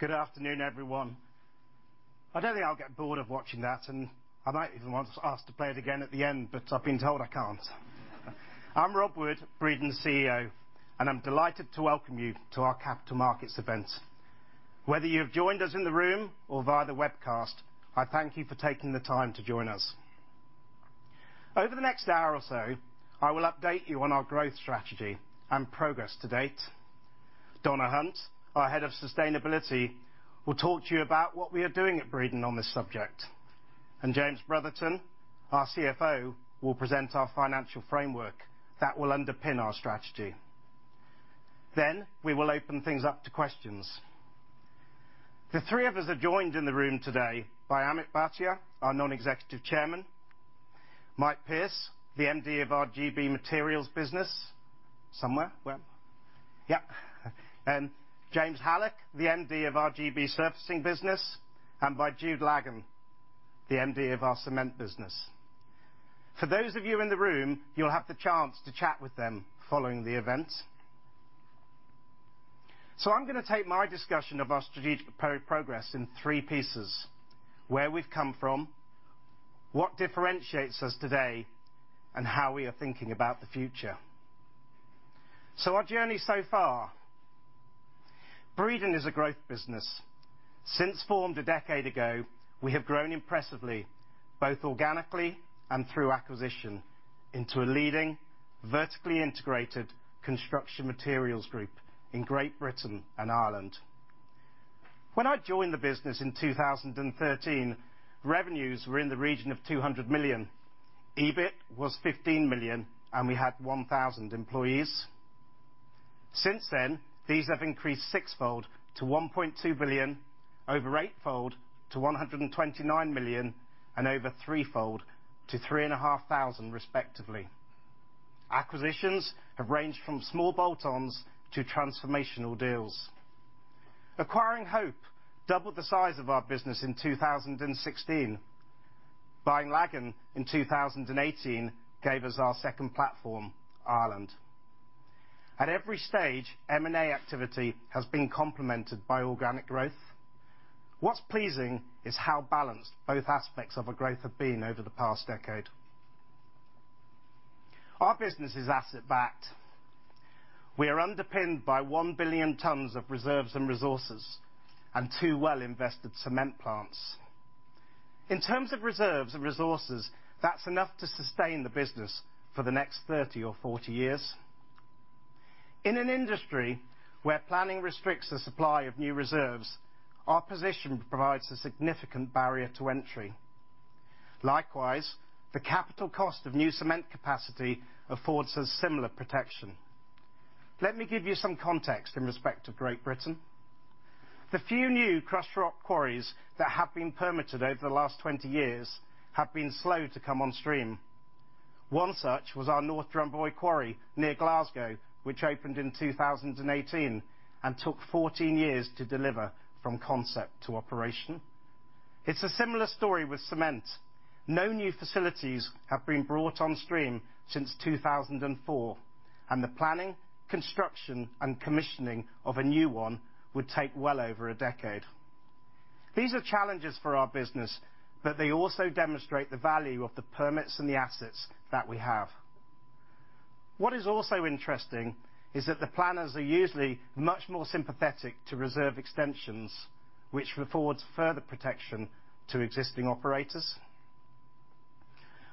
Good afternoon, everyone. I don't think I'll get bored of watching that, and I might even want to ask to play it again at the end, but I've been told I can't. I'm Rob Wood, Breedon's CEO, and I'm delighted to welcome you to our capital markets event. Whether you have joined us in the room or via the webcast, I thank you for taking the time to join us. Over the next hour or so, I will update you on our growth strategy and progress to date. Donna Hunt, our Head of Sustainability, will talk to you about what we are doing at Breedon on this subject. James Brotherton, our CFO, will present our financial framework that will underpin our strategy. We will open things up to questions. The three of us are joined in the room today by Amit Bhatia, our Non-Executive Chairman, Mike Pearce, the Managing Director of our GB Materials business, somewhere. Where? Yeah. James Haluch, the Managing Director of our GB Surfacing business, and Jude Lagan, the Managing Director of our Cement business. For those of you in the room, you'll have the chance to chat with them following the event. I'm gonna take my discussion of our strategic progress in three pieces: where we've come from, what differentiates us today, and how we are thinking about the future. Our journey so far. Breedon is a growth business. Since formed a decade ago, we have grown impressively, both organically and through acquisition, into a leading, vertically integrated construction materials group in Great Britain and Ireland. When I joined the business in 2013, revenues were in the region of 200 million, EBIT was 15 million, and we had 1,000 employees. Since then, these have increased six-fold to 1.2 billion, over eight-fold to 129 million, and over three-fold to 3,500 respectively. Acquisitions have ranged from small bolt-ons to transformational deals. Acquiring Hope doubled the size of our business in 2016. Buying Lagan in 2018 gave us our second platform, Ireland. At every stage, M&A activity has been complemented by organic growth. What's pleasing is how balanced both aspects of our growth have been over the past decade. Our business is asset backed. We are underpinned by 1 billion tons of reserves and resources and two well-invested cement plants. In terms of reserves and resources, that's enough to sustain the business for the next 30 or 40 years. In an industry where planning restricts the supply of new reserves, our position provides a significant barrier to entry. Likewise, the capital cost of new cement capacity affords us similar protection. Let me give you some context in respect to Great Britain. The few new crushed rock quarries that have been permitted over the last 20 years have been slow to come on stream. One such was our North Drumboy Quarry near Glasgow, which opened in 2018 and took 14 years to deliver from concept to operation. It's a similar story with cement. No new facilities have been brought on stream since 2004, and the planning, construction, and commissioning of a new one would take well over a decade. These are challenges for our business, but they also demonstrate the value of the permits and the assets that we have. What is also interesting is that the planners are usually much more sympathetic to reserve extensions, which affords further protection to existing operators.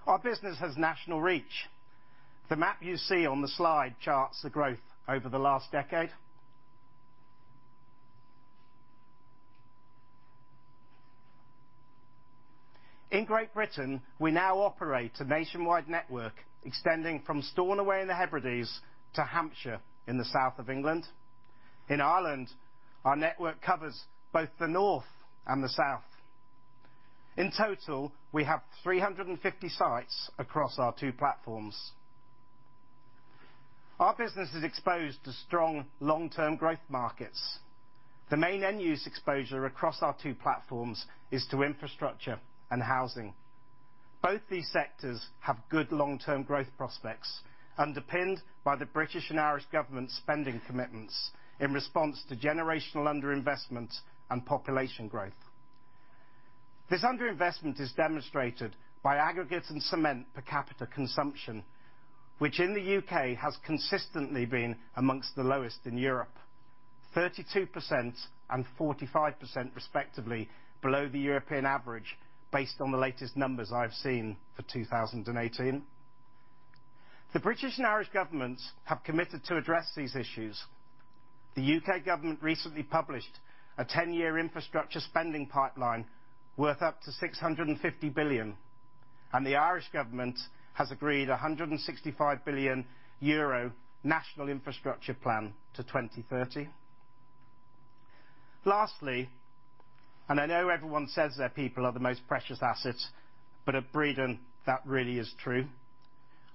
Our business has national reach. The map you see on the slide charts the growth over the last decade. In Great Britain, we now operate a nationwide network extending from Stornoway in the Hebrides to Hampshire in the South of England. In Ireland, our network covers both the north and the south. In total, we have 350 sites across our two platforms. Our business is exposed to strong long-term growth markets. The main end-use exposure across our two platforms is to infrastructure and housing. Both these sectors have good long-term growth prospects, underpinned by the British and Irish government spending commitments in response to generational underinvestment and population growth. This underinvestment is demonstrated by aggregates and cement per capita consumption, which in the U.K. has consistently been among the lowest in Europe, 32% and 45% respectively below the European average, based on the latest numbers I have seen for 2018. The British and Irish governments have committed to address these issues. The U.K. government recently published a ten-year infrastructure spending pipeline worth up to 650 billion, and the Irish government has agreed a 165 billion euro national infrastructure plan to 2030. Lastly, and I know everyone says their people are their most precious assets, but at Breedon, that really is true.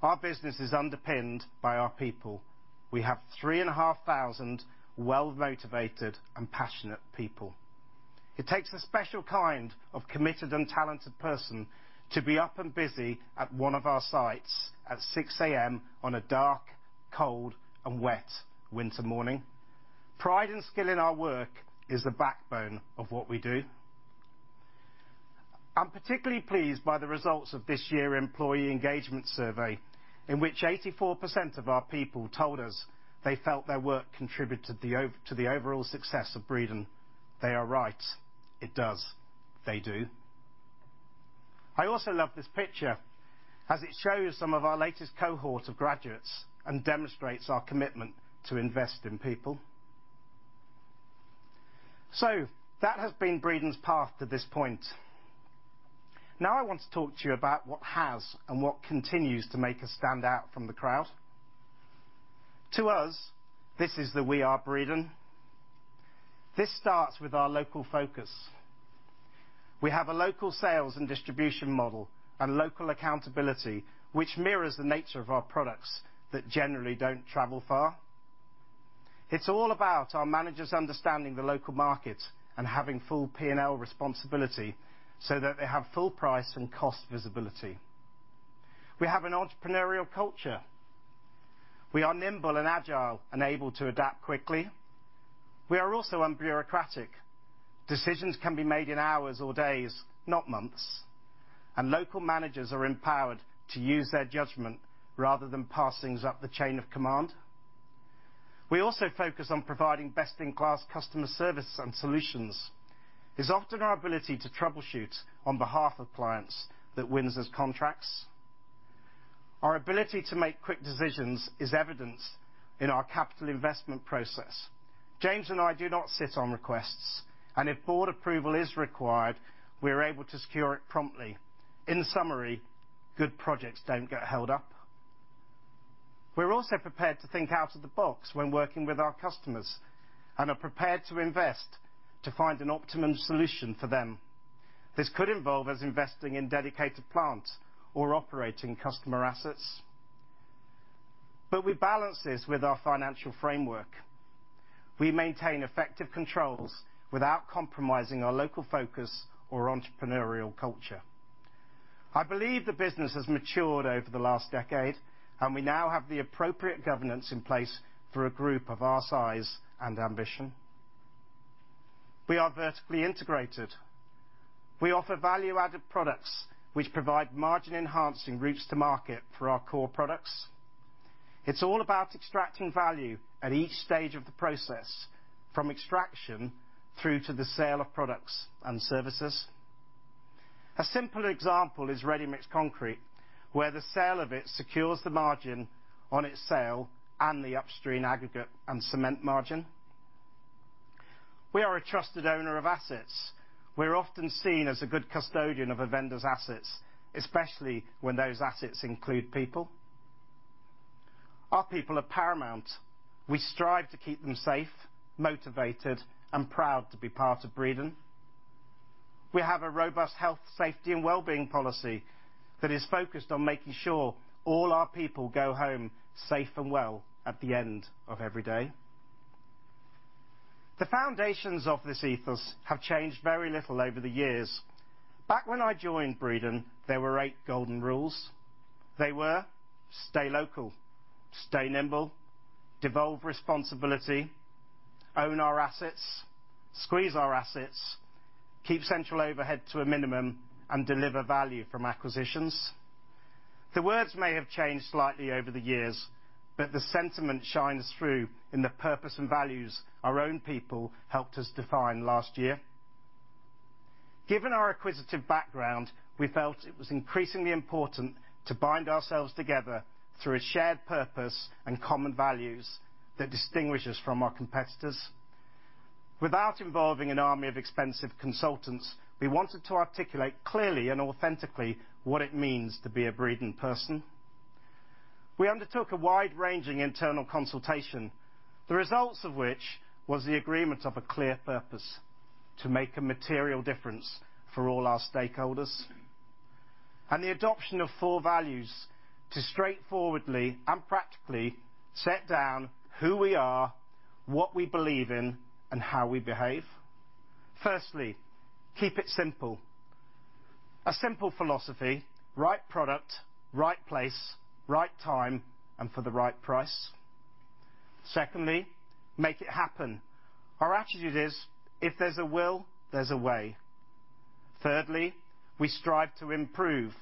Our business is underpinned by our people. We have 3,500 well-motivated and passionate people. It takes a special kind of committed and talented person to be up and busy at one of our sites at 6:00 A.M. on a dark, cold and wet winter morning. Pride and skill in our work is the backbone of what we do. I'm particularly pleased by the results of this year's employee engagement survey, in which 84% of our people told us they felt their work contributed to the overall success of Breedon. They are right. It does. They do. I also love this picture as it shows some of our latest cohort of graduates and demonstrates our commitment to invest in people. That has been Breedon's path to this point. Now I want to talk to you about what has and what continues to make us stand out from the crowd. To us, this is the We Are Breedon. This starts with our local focus. We have a local sales and distribution model and local accountability, which mirrors the nature of our products that generally don't travel far. It's all about our managers understanding the local market and having full P&L responsibility so that they have full price and cost visibility. We have an entrepreneurial culture. We are nimble and agile and able to adapt quickly. We are also unbureaucratic. Decisions can be made in hours or days, not months. Local managers are empowered to use their judgment rather than pass things up the chain of command. We also focus on providing best-in-class customer service and solutions. It's often our ability to troubleshoot on behalf of clients that wins us contracts. Our ability to make quick decisions is evidenced in our capital investment process. James and I do not sit on requests, and if board approval is required, we are able to secure it promptly. In summary, good projects don't get held up. We're also prepared to think out of the box when working with our customers and are prepared to invest to find an optimum solution for them. This could involve us investing in dedicated plants or operating customer assets. We balance this with our financial framework. We maintain effective controls without compromising our local focus or entrepreneurial culture. I believe the business has matured over the last decade, and we now have the appropriate governance in place for a group of our size and ambition. We are vertically integrated. We offer value-added products which provide margin-enhancing routes to market for our core products. It's all about extracting value at each stage of the process, from extraction through to the sale of products and services. A simple example is ready-mix concrete, where the sale of it secures the margin on its sale and the upstream aggregate and cement margin. We are a trusted owner of assets. We're often seen as a good custodian of a vendor's assets, especially when those assets include people. Our people are paramount. We strive to keep them safe, motivated, and proud to be part of Breedon. We have a robust health, safety, and well-being policy that is focused on making sure all our people go home safe and well at the end of every day. The foundations of this ethos have changed very little over the years. Back when I joined Breedon, there were eight golden rules. They were stay local, stay nimble, devolve responsibility, own our assets, squeeze our assets, keep central overhead to a minimum, and deliver value from acquisitions. The words may have changed slightly over the years, but the sentiment shines through in the purpose and values our own people helped us define last year. Given our acquisitive background, we felt it was increasingly important to bind ourselves together through a shared purpose and common values that distinguish us from our competitors. Without involving an army of expensive consultants, we wanted to articulate clearly and authentically what it means to be a Breedon person. We undertook a wide-ranging internal consultation, the results of which was the agreement of a clear purpose to make a material difference for all our stakeholders, and the adoption of four values to straightforwardly and practically set down who we are, what we believe in, and how we behave. Firstly, keep it simple. A simple philosophy, right product, right place, right time, and for the right price. Secondly, make it happen. Our attitude is, if there's a will, there's a way. Thirdly, we strive to improve.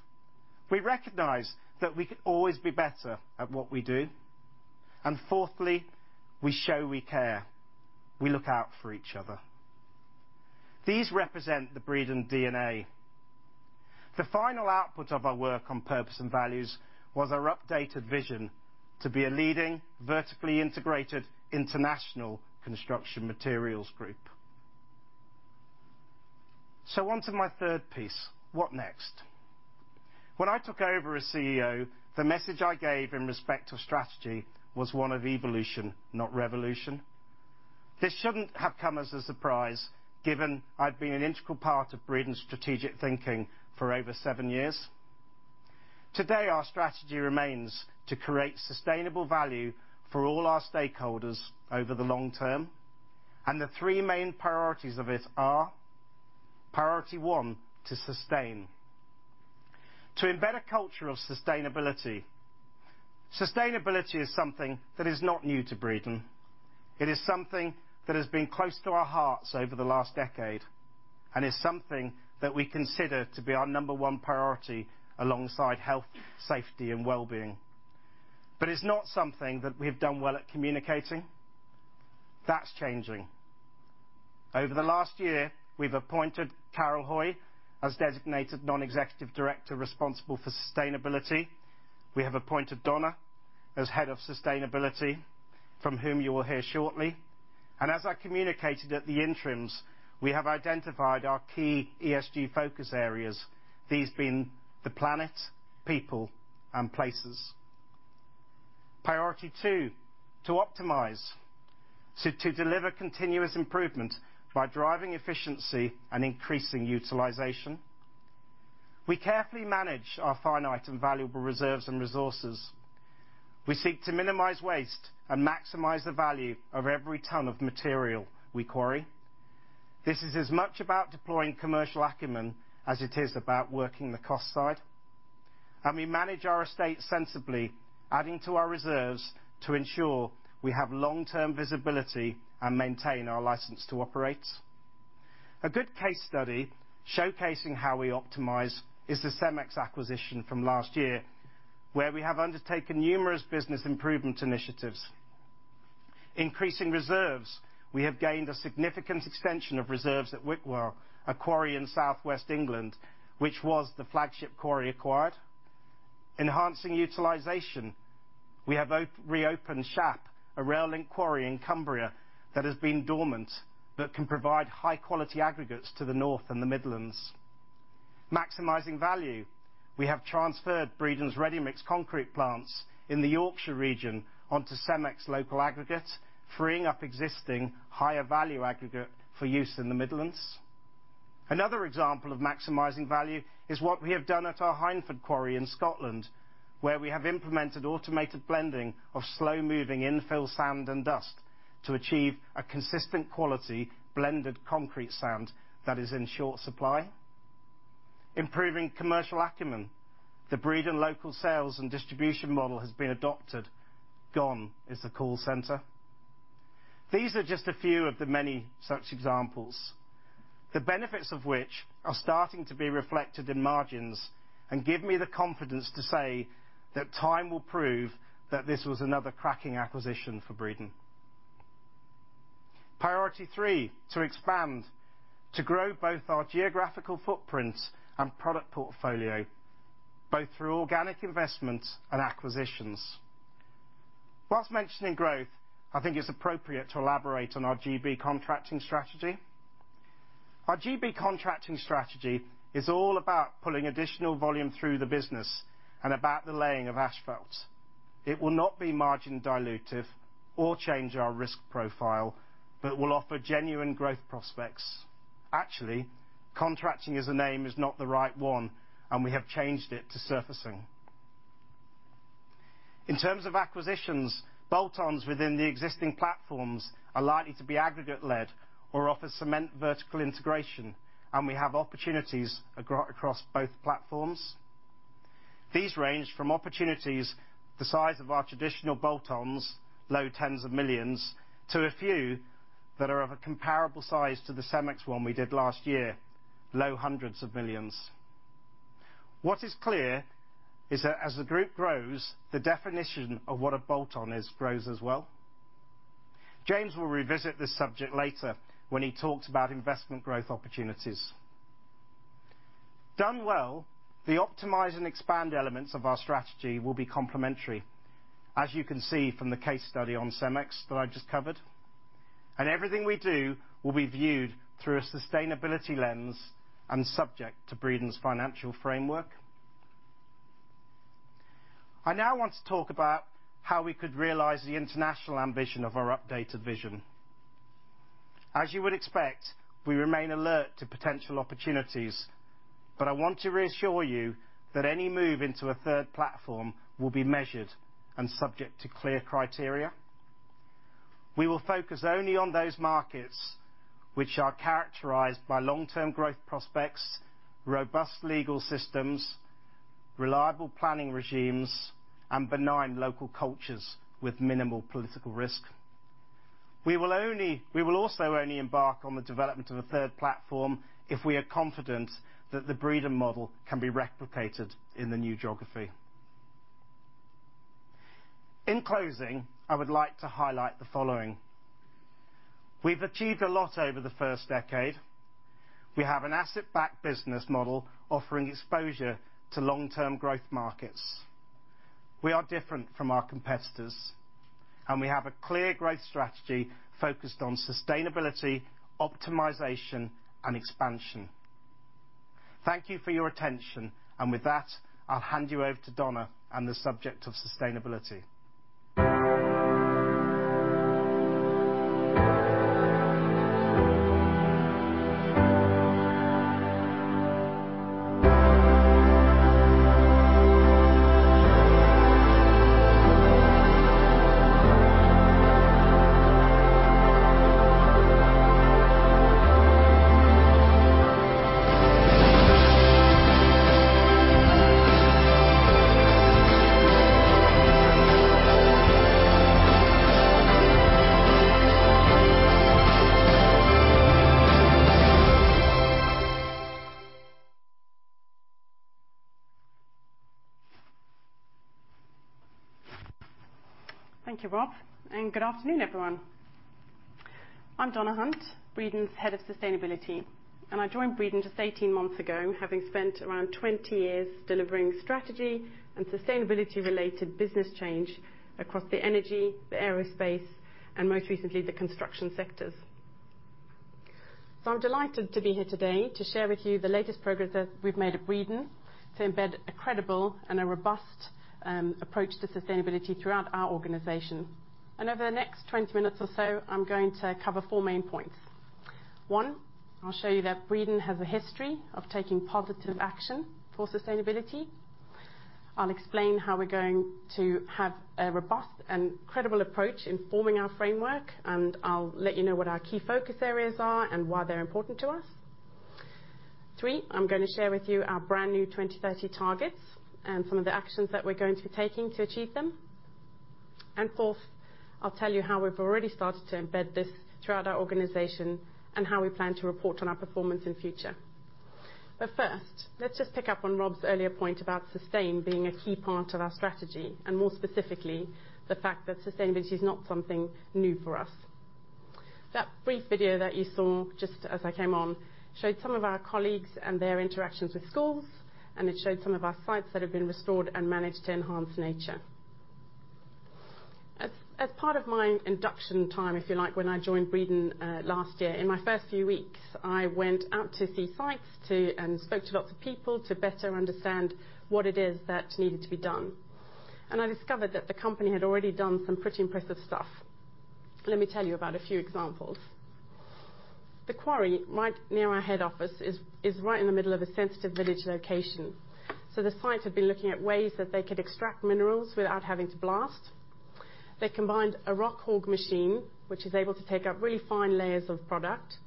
We recognize that we can always be better at what we do. Fourthly, we show we care. We look out for each other. These represent the Breedon DNA. The final output of our work on purpose and values was our updated vision to be a leading, vertically integrated international construction materials group. On to my third piece, what next? When I took over as CEO, the message I gave in respect to strategy was one of evolution, not revolution. This shouldn't have come as a surprise, given I'd been an integral part of Breedon's strategic thinking for over seven years. Today, our strategy remains to create sustainable value for all our stakeholders over the long term, and the three main priorities of it are: priority one, to sustain. To embed a culture of sustainability. Sustainability is something that is not new to Breedon. It is something that has been close to our hearts over the last decade, and is something that we consider to be our number one priority alongside health, safety, and well-being. But it's not something that we have done well at communicating. That's changing. Over the last year, we've appointed Carol Hui as Designated Non-Executive Director responsible for sustainability. We have appointed Donna Hunt as Head of Sustainability, from whom you will hear shortly. As I communicated at the interims, we have identified our key ESG focus areas. These being the planet, people, and places. Priority two, to optimize. To deliver continuous improvement by driving efficiency and increasing utilization. We carefully manage our finite and valuable reserves and resources. We seek to minimize waste and maximize the value of every ton of material we quarry. This is as much about deploying commercial acumen as it is about working the cost side. We manage our estate sensibly, adding to our reserves to ensure we have long-term visibility and maintain our license to operate. A good case study showcasing how we optimize is the CEMEX acquisition from last year, where we have undertaken numerous business improvement initiatives. Increasing reserves, we have gained a significant extension of reserves at Whitwell, a quarry in southwest England, which was the flagship quarry acquired. Enhancing utilization, we have reopened Shap, a rail link quarry in Cumbria that has been dormant, but can provide high-quality aggregates to the North and the Midlands. Maximizing value, we have transferred Breedon's ready-mix concrete plants in the Yorkshire region onto CEMEX local aggregate, freeing up existing higher-value aggregate for use in the Midlands. Another example of maximizing value is what we have done at our Hyndford quarry in Scotland, where we have implemented automated blending of slow-moving infill sand and dust to achieve a consistent quality blended concrete sand that is in short supply. Improving commercial acumen, the Breedon local sales and distribution model has been adopted. Gone is the call center. These are just a few of the many such examples, the benefits of which are starting to be reflected in margins and give me the confidence to say that time will prove that this was another cracking acquisition for Breedon. Priority three, to expand. To grow both our geographical footprint and product portfolio, both through organic investments and acquisitions. While mentioning growth, I think it's appropriate to elaborate on our GB contracting strategy. Our GB contracting strategy is all about pulling additional volume through the business and about the laying of asphalt. It will not be margin dilutive or change our risk profile, but will offer genuine growth prospects. Actually, contracting as a name is not the right one, and we have changed it to surfacing. In terms of acquisitions, bolt-ons within the existing platforms are likely to be aggregate led or offer cement vertical integration, and we have opportunities across both platforms. These range from opportunities the size of our traditional bolt-ons, low 10s of millions, to a few that are of a comparable size to the CEMEX one we did last year, low 100s of millions. What is clear is that as the group grows, the definition of what a bolt-on is grows as well. James will revisit this subject later when he talks about investment growth opportunities. Done well, the optimize and expand elements of our strategy will be complementary, as you can see from the case study on CEMEX that I just covered. Everything we do will be viewed through a sustainability lens and subject to Breedon's financial framework. I now want to talk about how we could realize the international ambition of our updated vision. As you would expect, we remain alert to potential opportunities. I want to reassure you that any move into a third platform will be measured and subject to clear criteria. We will focus only on those markets which are characterized by long-term growth prospects, robust legal systems, reliable planning regimes, and benign local cultures with minimal political risk. We will also only embark on the development of a third platform if we are confident that the Breedon model can be replicated in the new geography. In closing, I would like to highlight the following. We've achieved a lot over the first decade. We have an asset-backed business model offering exposure to long-term growth markets. We are different from our competitors, and we have a clear growth strategy focused on sustainability, optimization, and expansion. Thank you for your attention. With that, I'll hand you over to Donna on the subject of sustainability. Thank you, Rob, and good afternoon, everyone. I'm Donna Hunt, Breedon's Head of Sustainability, and I joined Breedon just 18 months ago, having spent around 20 years delivering strategy and sustainability-related business change across the energy, the aerospace, and most recently, the construction sectors. I'm delighted to be here today to share with you the latest progress that we've made at Breedon to embed a credible and a robust approach to sustainability throughout our organization. Over the next 20 minutes or so, I'm going to cover 4 main points. One, I'll show you that Breedon has a history of taking positive action for sustainability. I'll explain how we're going to have a robust and credible approach in forming our framework, and I'll let you know what our key focus areas are and why they're important to us. Three, I'm gonna share with you our brand-new 2030 targets and some of the actions that we're going to be taking to achieve them. Fourth, I'll tell you how we've already started to embed this throughout our organization and how we plan to report on our performance in future. First, let's just pick up on Rob's earlier point about sustainability being a key part of our strategy and more specifically, the fact that sustainability is not something new for us. That brief video that you saw just as I came on showed some of our colleagues and their interactions with schools, and it showed some of our sites that have been restored and managed to enhance nature. As part of my induction time, if you like, when I joined Breedon last year. In my first few weeks, I went out to see sites and spoke to lots of people to better understand what it is that needed to be done, and I discovered that the company had already done some pretty impressive stuff. Let me tell you about a few examples. The quarry right near our head office is right in the middle of a sensitive village location, so the site had been looking at ways that they could extract minerals without having to blast. They combined a RoadHog machine, which is able to take out really fine layers of product,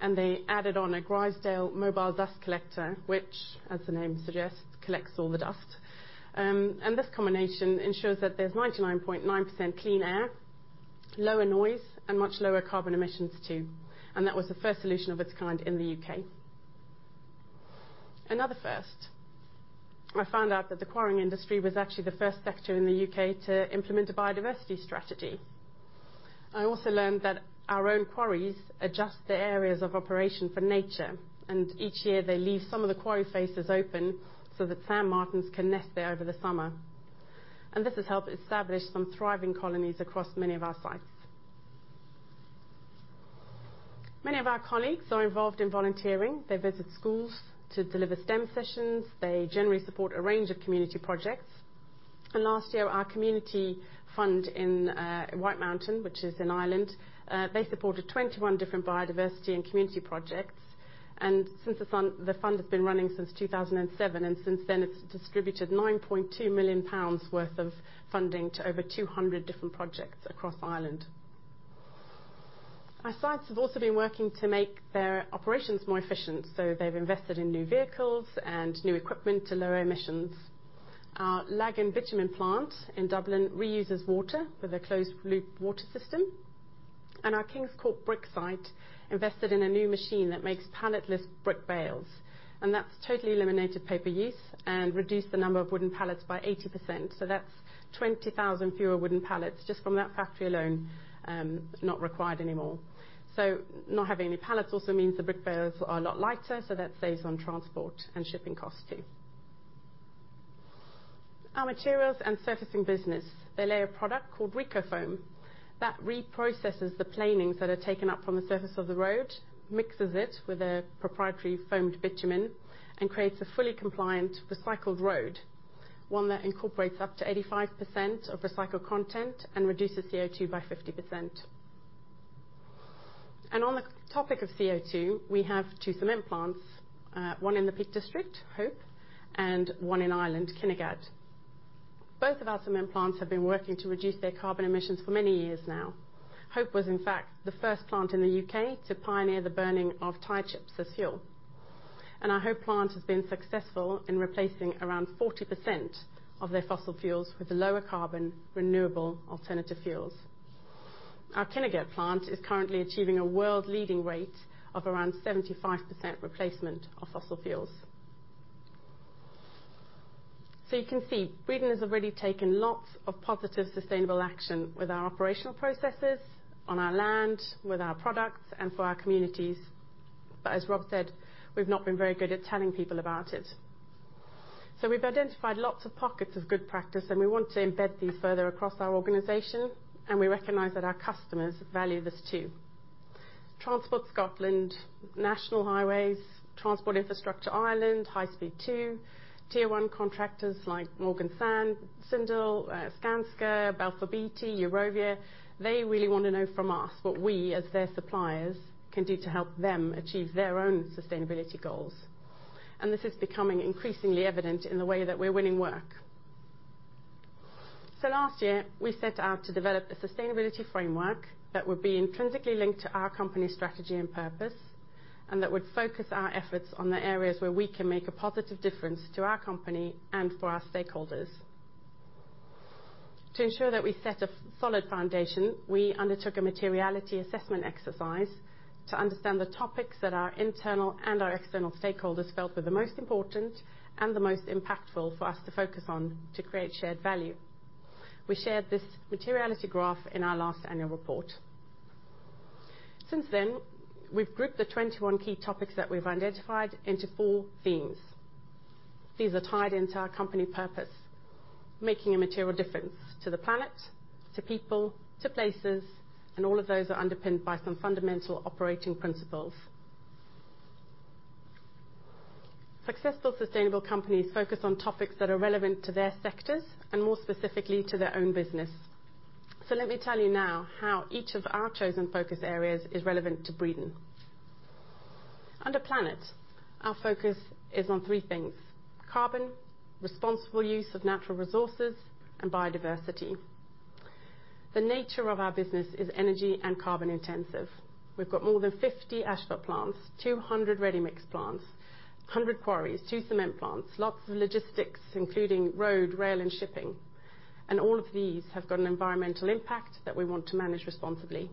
and they added on a Grydale mobile dust collector, which, as the name suggests, collects all the dust. This combination ensures that there's 99.9% clean air, lower noise, and much lower carbon emissions too, and that was the first solution of its kind in the U.K. Another first, I found out that the quarrying industry was actually the first sector in the U.K. to implement a biodiversity strategy. I also learned that our own quarries adjust their areas of operation for nature, and each year they leave some of the quarry faces open so that sand martins can nest there over the summer. This has helped establish some thriving colonies across many of our sites. Many of our colleagues are involved in volunteering. They visit schools to deliver STEM sessions. They generally support a range of community projects. Last year, our community fund in White Mountain, which is in Ireland, they supported 21 different biodiversity and community projects. Since the fund has been running since 2007, and since then, it's distributed 9.2 million pounds worth of funding to over 200 different projects across Ireland. Our sites have also been working to make their operations more efficient, so they've invested in new vehicles and new equipment to lower emissions. Our Lagan bitumen plant in Dublin reuses water with a closed-loop water system, and our Kingscourt brick site invested in a new machine that makes pallet-less brick bales, and that's totally eliminated paper use and reduced the number of wooden pallets by 80%. That's 20,000 fewer wooden pallets just from that factory alone, not required anymore. Not having any pallets also means the brick bales are a lot lighter, so that saves on transport and shipping costs too. Our materials and surfacing business, they lay a product called Recofoam that reprocesses the planings that are taken up from the surface of the road, mixes it with a proprietary foamed bitumen, and creates a fully compliant recycled road, one that incorporates up to 85% of recycled content and reduces CO2 by 50%. On the topic of CO2, we have two cement plants, one in the Peak District, Hope, and one in Ireland, Kinnegad. Both of our cement plants have been working to reduce their carbon emissions for many years now. Hope was, in fact, the first plant in the U.K. to pioneer the burning of tire chips as fuel. Our Hope plant has been successful in replacing around 40% of their fossil fuels with the lower carbon renewable alternative fuels. Our Kinnegad plant is currently achieving a world-leading rate of around 75% replacement of fossil fuels. You can see Breedon has already taken lots of positive sustainable action with our operational processes, on our land, with our products, and for our communities. As Rob said, we've not been very good at telling people about it. We've identified lots of pockets of good practice, and we want to embed these further across our organization, and we recognize that our customers value this too. Transport Scotland, National Highways, Transport Infrastructure Ireland, High Speed 2, tier one contractors like Morgan Sindall, Skanska, Balfour Beatty, Eurovia, they really want to know from us what we, as their suppliers, can do to help them achieve their own sustainability goals. This is becoming increasingly evident in the way that we're winning work. Last year, we set out to develop a sustainability framework that would be intrinsically linked to our company strategy and purpose, and that would focus our efforts on the areas where we can make a positive difference to our company and for our stakeholders. To ensure that we set a solid foundation, we undertook a materiality assessment exercise to understand the topics that our internal and our external stakeholders felt were the most important and the most impactful for us to focus on to create shared value. We shared this materiality graph in our last annual report. Since then, we've grouped the 21 key topics that we've identified into four themes. These are tied into our company purpose, making a material difference to the planet, to people, to places, and all of those are underpinned by some fundamental operating principles. Successful sustainable companies focus on topics that are relevant to their sectors, and more specifically to their own business. Let me tell you now how each of our chosen focus areas is relevant to Breedon. Under planet, our focus is on three things, carbon, responsible use of natural resources, and biodiversity. The nature of our business is energy and carbon intensive. We've got more than 50 asphalt plants, 200 ready-mix plants, 100 quarries, two cement plants, lots of logistics, including road, rail, and shipping. All of these have got an environmental impact that we want to manage responsibly.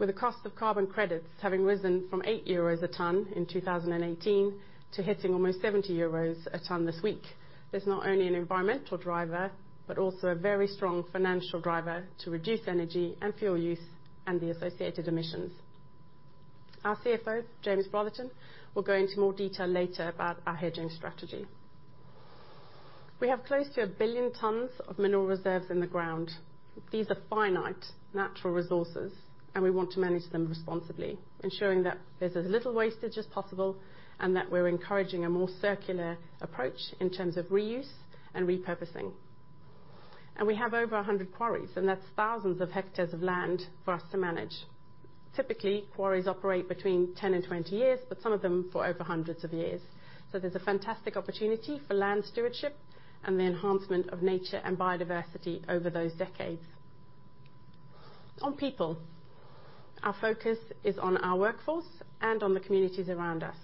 With the cost of carbon credits having risen from 8 euros a ton in 2018 to hitting almost 70 euros a ton this week, there's not only an environmental driver, but also a very strong financial driver to reduce energy and fuel use and the associated emissions. Our CFO, James Brotherton, will go into more detail later about our hedging strategy. We have close to 1 billion tons of mineral reserves in the ground. These are finite natural resources, and we want to manage them responsibly, ensuring that there's as little wastage as possible and that we're encouraging a more circular approach in terms of reuse and repurposing. We have over 100 quarries, and that's thousands of hectares of land for us to manage. Typically, quarries operate between 10 and 20 years, but some of them for over hundreds of years. There's a fantastic opportunity for land stewardship and the enhancement of nature and biodiversity over those decades. On people, our focus is on our workforce and on the communities around us.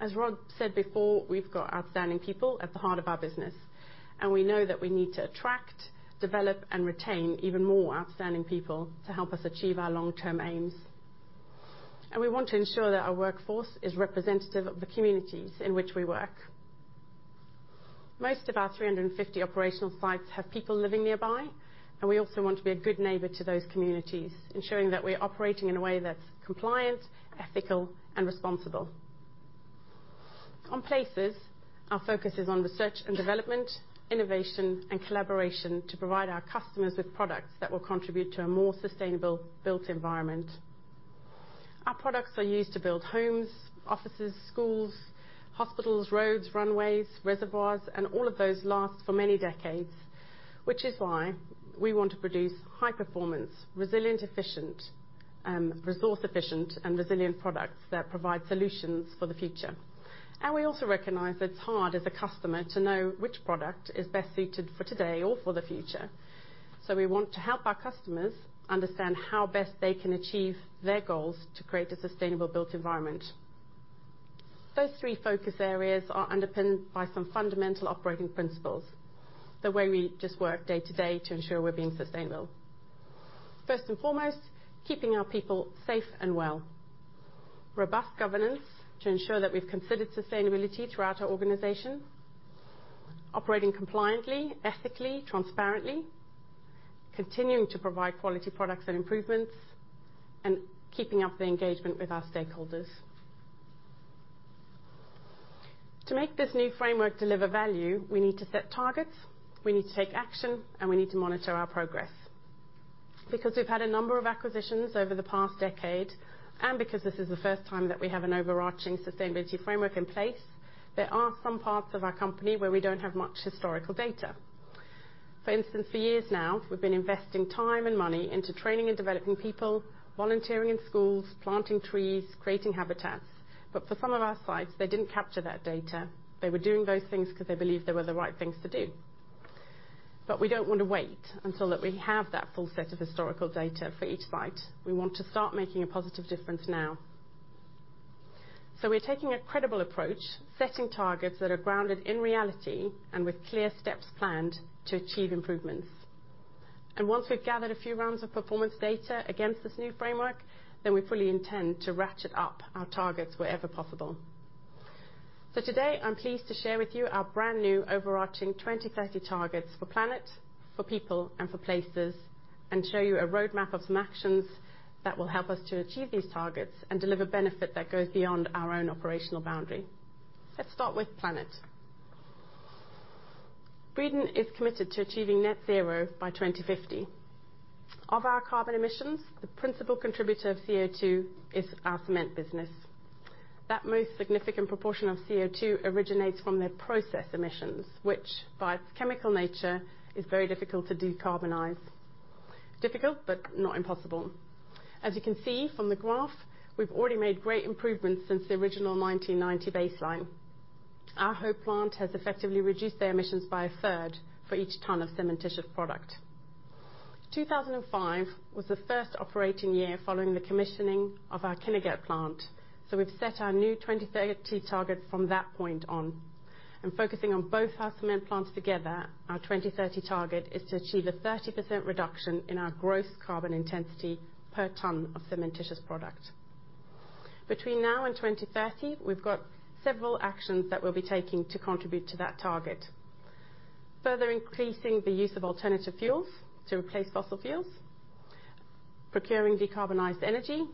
As Rob said before, we've got outstanding people at the heart of our business, and we know that we need to attract, develop, and retain even more outstanding people to help us achieve our long-term aims. We want to ensure that our workforce is representative of the communities in which we work. Most of our 350 operational sites have people living nearby, and we also want to be a good neighbor to those communities, ensuring that we're operating in a way that's compliant, ethical, and responsible. On places, our focus is on research and development, innovation, and collaboration to provide our customers with products that will contribute to a more sustainable built environment. Our products are used to build homes, offices, schools, hospitals, roads, runways, reservoirs, and all of those last for many decades, which is why we want to produce high performance, resilient, efficient, resource efficient and resilient products that provide solutions for the future. We also recognize that it's hard as a customer to know which product is best suited for today or for the future. We want to help our customers understand how best they can achieve their goals to create a sustainable built environment. Those three focus areas are underpinned by some fundamental operating principles, the way we just work day to day to ensure we're being sustainable. First and foremost, keeping our people safe and well. Robust governance to ensure that we've considered sustainability throughout our organization. Operating compliantly, ethically, transparently. Continuing to provide quality products and improvements, and keeping up the engagement with our stakeholders. To make this new framework deliver value, we need to set targets, we need to take action, and we need to monitor our progress. Because we've had a number of acquisitions over the past decade, and because this is the first time that we have an overarching sustainability framework in place, there are some parts of our company where we don't have much historical data. For instance, for years now, we've been investing time and money into training and developing people, volunteering in schools, planting trees, creating habitats. For some of our sites, they didn't capture that data. They were doing those things because they believed they were the right things to do. We don't want to wait until that we have that full set of historical data for each site. We want to start making a positive difference now. We're taking a credible approach, setting targets that are grounded in reality and with clear steps planned to achieve improvements. Once we've gathered a few rounds of performance data against this new framework, then we fully intend to ratchet up our targets wherever possible. Today, I'm pleased to share with you our brand new overarching 2030 targets for planet, for people, and for places, and show you a roadmap of some actions that will help us to achieve these targets and deliver benefit that goes beyond our own operational boundary. Let's start with planet. Breedon is committed to achieving net zero by 2050. Of our carbon emissions, the principal contributor of CO2 is our cement business. That most significant proportion of CO2 originates from the process emissions, which by its chemical nature is very difficult to decarbonize. Difficult but not impossible. As you can see from the graph, we've already made great improvements since the original 1990 baseline. Our Hope plant has effectively reduced their emissions by a third for each ton of cementitious product. 2005 was the first operating year following the commissioning of our Kinnegad plant, so we've set our new 2030 target from that point on. Focusing on both our cement plants together, our 2030 target is to achieve a 30% reduction in our gross carbon intensity per ton of cementitious product. Between now and 2030, we've got several actions that we'll be taking to contribute to that target. Further increasing the use of alternative fuels to replace fossil fuels, procuring decarbonized energy,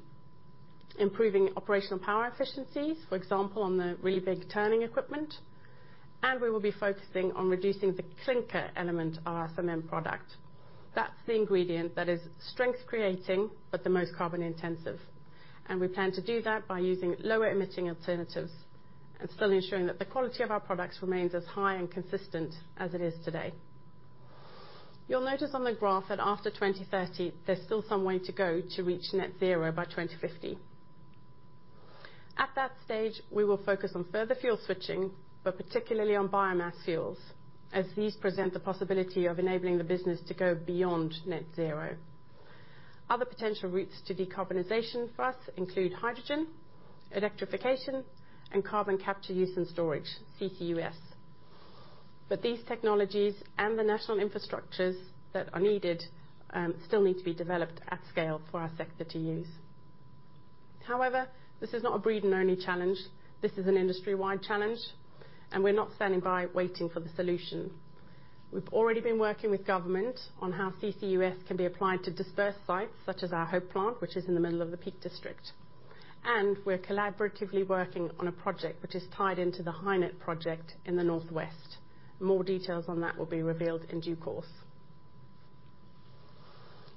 improving operational power efficiencies, for example, on the really big turning equipment, and we will be focusing on reducing the clinker element of our cement product. That's the ingredient that is strength creating but the most carbon intensive. We plan to do that by using lower emitting alternatives and still ensuring that the quality of our products remains as high and consistent as it is today. You'll notice on the graph that after 2030, there's still some way to go to reach net zero by 2050. At that stage, we will focus on further fuel switching, but particularly on biomass fuels, as these present the possibility of enabling the business to go beyond net zero. Other potential routes to decarbonization for us include hydrogen, electrification, and carbon capture use and storage, CCUS. These technologies and the national infrastructures that are needed still need to be developed at scale for our sector to use. However, this is not a Breedon only challenge. This is an industry-wide challenge, and we're not standing by waiting for the solution. We've already been working with government on how CCUS can be applied to dispersed sites such as our Hope plant, which is in the middle of the Peak District. We're collaboratively working on a project which is tied into the HyNet project in the Northwest. More details on that will be revealed in due course.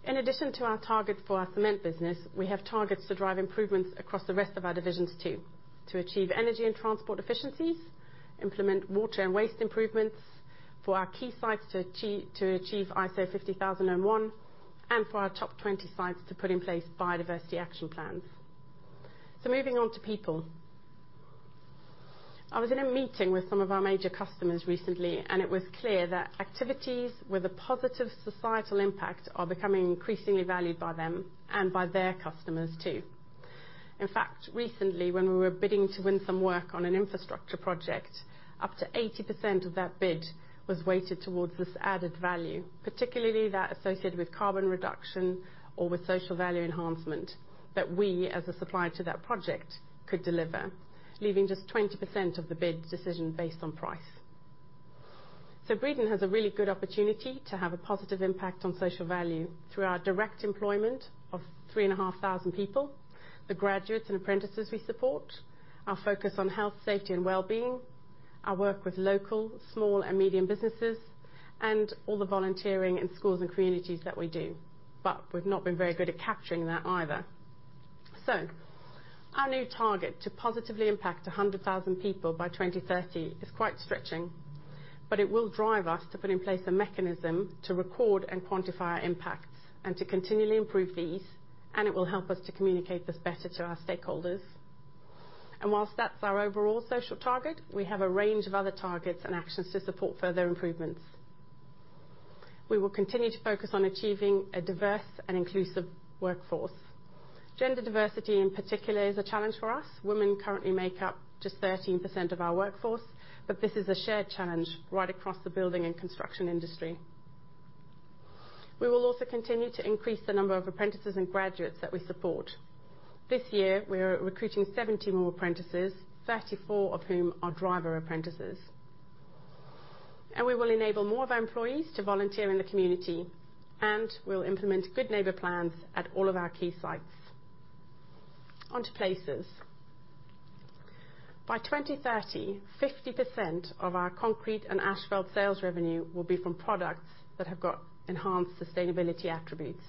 In addition to our targets for our cement business, we have targets to drive improvements across the rest of our divisions too. To achieve energy and transport efficiencies, implement water and waste improvements, for our key sites to achieve ISO 50001, and for our top 20 sites to put in place biodiversity action plans. Moving on to people. I was in a meeting with some of our major customers recently, and it was clear that activities with a positive societal impact are becoming increasingly valued by them and by their customers too. In fact, recently, when we were bidding to win some work on an infrastructure project, up to 80% of that bid was weighted towards this added value, particularly that associated with carbon reduction or with social value enhancement that we as a supplier to that project could deliver, leaving just 20% of the bid decision based on price. Breedon has a really good opportunity to have a positive impact on social value through our direct employment of 3,500 people, the graduates and apprentices we support, our focus on health, safety and well-being, our work with local small and medium businesses, and all the volunteering in schools and communities that we do. We've not been very good at capturing that either. Our new target to positively impact 100,000 people by 2030 is quite stretching, but it will drive us to put in place a mechanism to record and quantify our impacts and to continually improve these, and it will help us to communicate this better to our stakeholders. While that's our overall social target, we have a range of other targets and actions to support further improvements. We will continue to focus on achieving a diverse and inclusive workforce. Gender diversity in particular is a challenge for us. Women currently make up just 13% of our workforce, but this is a shared challenge right across the building and construction industry. We will also continue to increase the number of apprentices and graduates that we support. This year, we are recruiting 70 more apprentices, 34 of whom are driver apprentices. We will enable more of our employees to volunteer in the community, and we'll implement good neighbor plans at all of our key sites. On to places. By 2030, 50% of our concrete and asphalt sales revenue will be from products that have got enhanced sustainability attributes.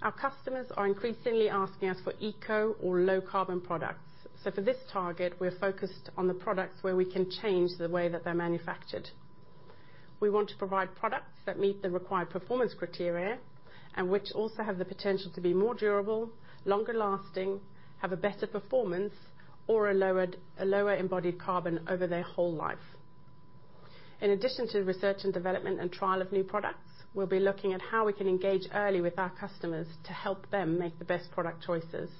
Our customers are increasingly asking us for eco or low carbon products. For this target, we are focused on the products where we can change the way that they're manufactured. We want to provide products that meet the required performance criteria and which also have the potential to be more durable, longer lasting, have a better performance or a lower embodied carbon over their whole life. In addition to research and development and trial of new products, we'll be looking at how we can engage early with our customers to help them make the best product choices.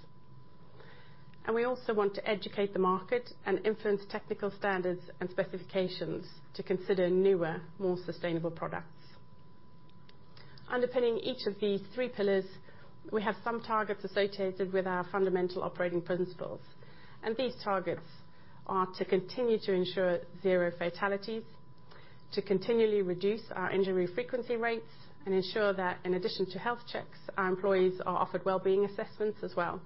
We also want to educate the market and influence technical standards and specifications to consider newer, more sustainable products. Underpinning each of these three pillars, we have some targets associated with our fundamental operating principles, and these targets are to continue to ensure zero fatalities, to continually reduce our injury frequency rates, and ensure that in addition to health checks, our employees are offered wellbeing assessments as well.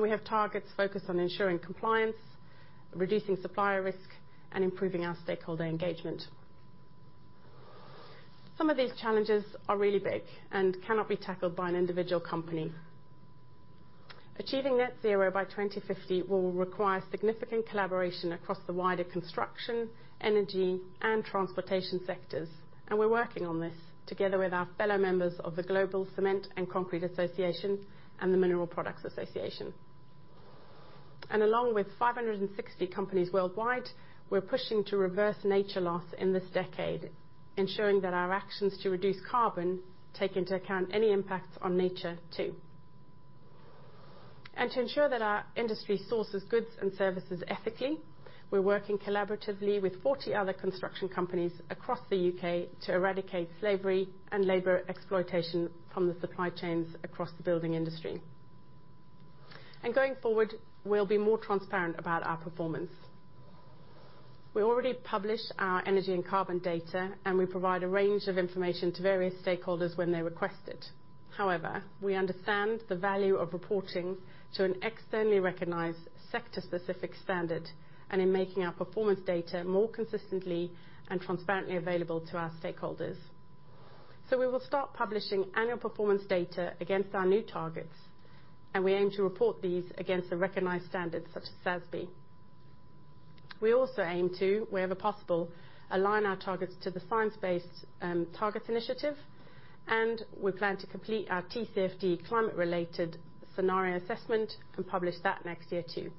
We have targets focused on ensuring compliance, reducing supplier risk, and improving our stakeholder engagement. Some of these challenges are really big and cannot be tackled by an individual company. Achieving net zero by 2050 will require significant collaboration across the wider construction, energy, and transportation sectors. We're working on this together with our fellow members of the Global Cement and Concrete Association and the Mineral Products Association. Along with 560 companies worldwide, we're pushing to reverse nature loss in this decade, ensuring that our actions to reduce carbon take into account any impacts on nature too. To ensure that our industry sources goods and services ethically, we're working collaboratively with 40 other construction companies across the U.K. to eradicate slavery and labor exploitation from the supply chains across the building industry. Going forward, we'll be more transparent about our performance. We already publish our energy and carbon data, and we provide a range of information to various stakeholders when they request it. However, we understand the value of reporting to an externally recognized sector-specific standard and in making our performance data more consistently and transparently available to our stakeholders. We will start publishing annual performance data against our new targets, and we aim to report these against the recognized standards such as SASB. We also aim to, wherever possible, align our targets to the science-based targets initiative, and we plan to complete our TCFD climate-related scenario assessment and publish that next year too.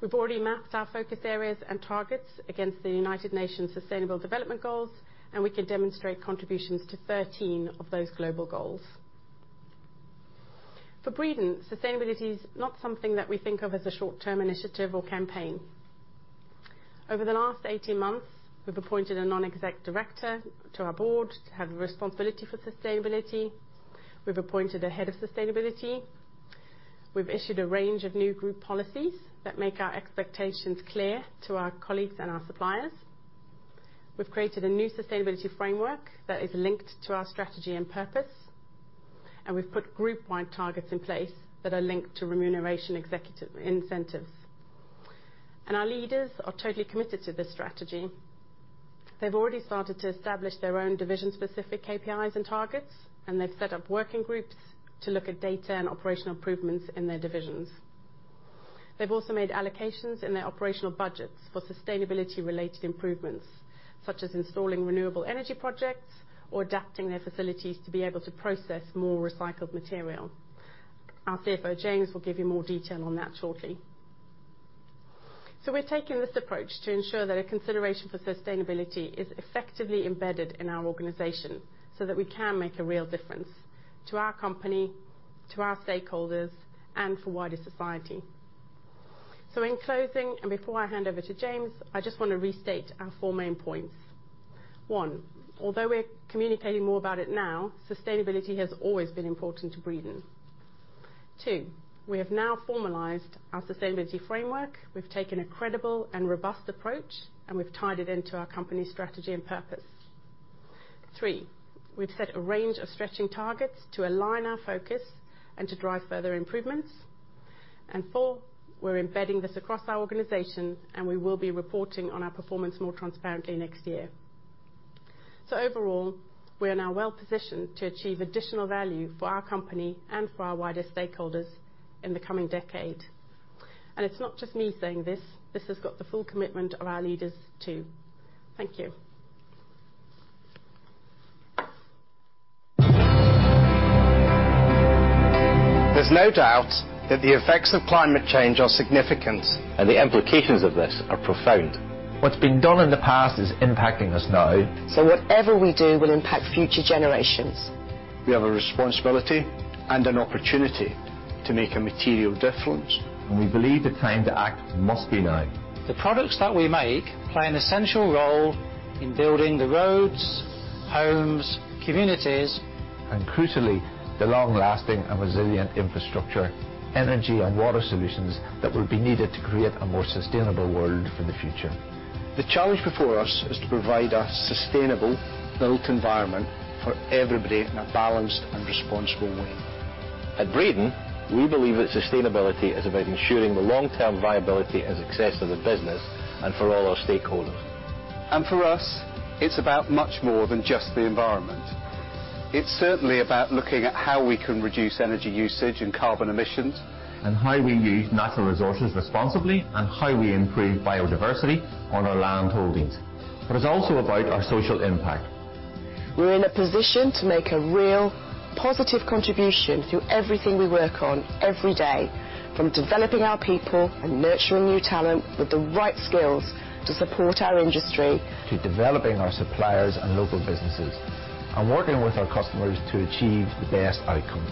We've already mapped our focus areas and targets against the United Nations Sustainable Development Goals, and we can demonstrate contributions to 13 of those global goals. For Breedon, sustainability is not something that we think of as a short-term initiative or campaign. Over the last 18 months, we've appointed a non-exec director to our board to have responsibility for sustainability. We've appointed a head of sustainability. We've issued a range of new group policies that make our expectations clear to our colleagues and our suppliers. We've created a new sustainability framework that is linked to our strategy and purpose, and we've put group-wide targets in place that are linked to remuneration executive incentives. Our leaders are totally committed to this strategy. They've already started to establish their own division-specific KPIs and targets, and they've set up working groups to look at data and operational improvements in their divisions. They've also made allocations in their operational budgets for sustainability-related improvements, such as installing renewable energy projects or adapting their facilities to be able to process more recycled material. Our CFO, James, will give you more detail on that shortly. We're taking this approach to ensure that a consideration for sustainability is effectively embedded in our organization, so that we can make a real difference to our company, to our stakeholders, and for wider society. In closing, and before I hand over to James, I just wanna restate our four main points. One, although we're communicating more about it now, sustainability has always been important to Breedon. Two, we have now formalized our sustainability framework. We've taken a credible and robust approach, and we've tied it into our company strategy and purpose. Three, we've set a range of stretching targets to align our focus and to drive further improvements. And four, we're embedding this across our organization, and we will be reporting on our performance more transparently next year. Overall, we are now well-positioned to achieve additional value for our company and for our wider stakeholders in the coming decade. It's not just me saying this has got the full commitment of our leaders too. Thank you. There's no doubt that the effects of climate change are significant. The implications of this are profound. What's been done in the past is impacting us now. Whatever we do will impact future generations. We have a responsibility and an opportunity to make a material difference. We believe the time to act must be now. The products that we make play an essential role in building the roads, homes, communities. Crucially, the long-lasting and resilient infrastructure, energy and water solutions that will be needed to create a more sustainable world for the future. The challenge before us is to provide a sustainable built environment for everybody in a balanced and responsible way. At Breedon, we believe that sustainability is about ensuring the long-term viability and success of the business and for all our stakeholders. For us, it's about much more than just the environment. It's certainly about looking at how we can reduce energy usage and carbon emissions. How we use natural resources responsibly and how we improve biodiversity on our land holdings. It's also about our social impact. We're in a position to make a real positive contribution through everything we work on every day, from developing our people and nurturing new talent with the right skills to support our industry. To developing our suppliers and local businesses and working with our customers to achieve the best outcomes.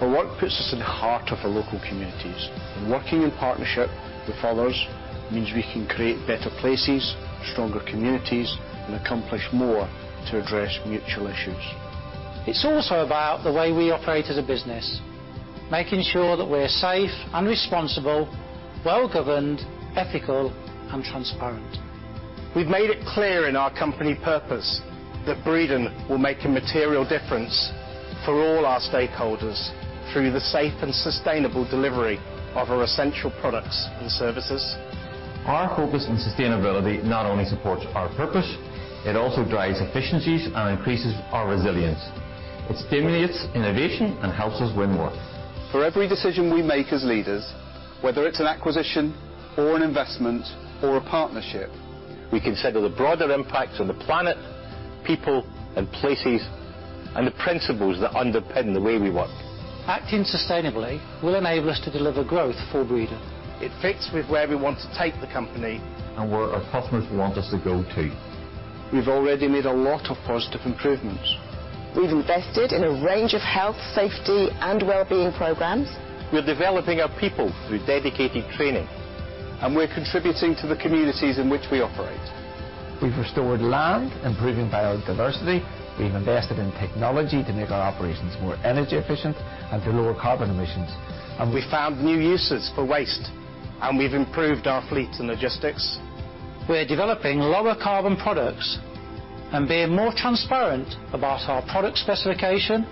Our work puts us in the heart of our local communities, and working in partnership with others means we can create better places, stronger communities, and accomplish more to address mutual issues. It's also about the way we operate as a business, making sure that we're safe and responsible, well-governed, ethical, and transparent. We've made it clear in our company purpose that Breedon will make a material difference for all our stakeholders through the safe and sustainable delivery of our essential products and services. Our focus on sustainability not only supports our purpose, it also drives efficiencies and increases our resilience. It stimulates innovation and helps us win more. For every decision we make as leaders, whether it's an acquisition or an investment or a partnership. We consider the broader impact on the planet, people and places, and the principles that underpin the way we work. Acting sustainably will enable us to deliver growth for Breedon. It fits with where we want to take the company. Where our customers want us to go too. We've already made a lot of positive improvements. We've invested in a range of health, safety, and wellbeing programs. We're developing our people through dedicated training. We're contributing to the communities in which we operate. We've restored land, improving biodiversity. We've invested in technology to make our operations more energy efficient and to lower carbon emissions. We've found new uses for waste, and we've improved our fleet and logistics. We're developing lower carbon products and being more transparent about our product specification,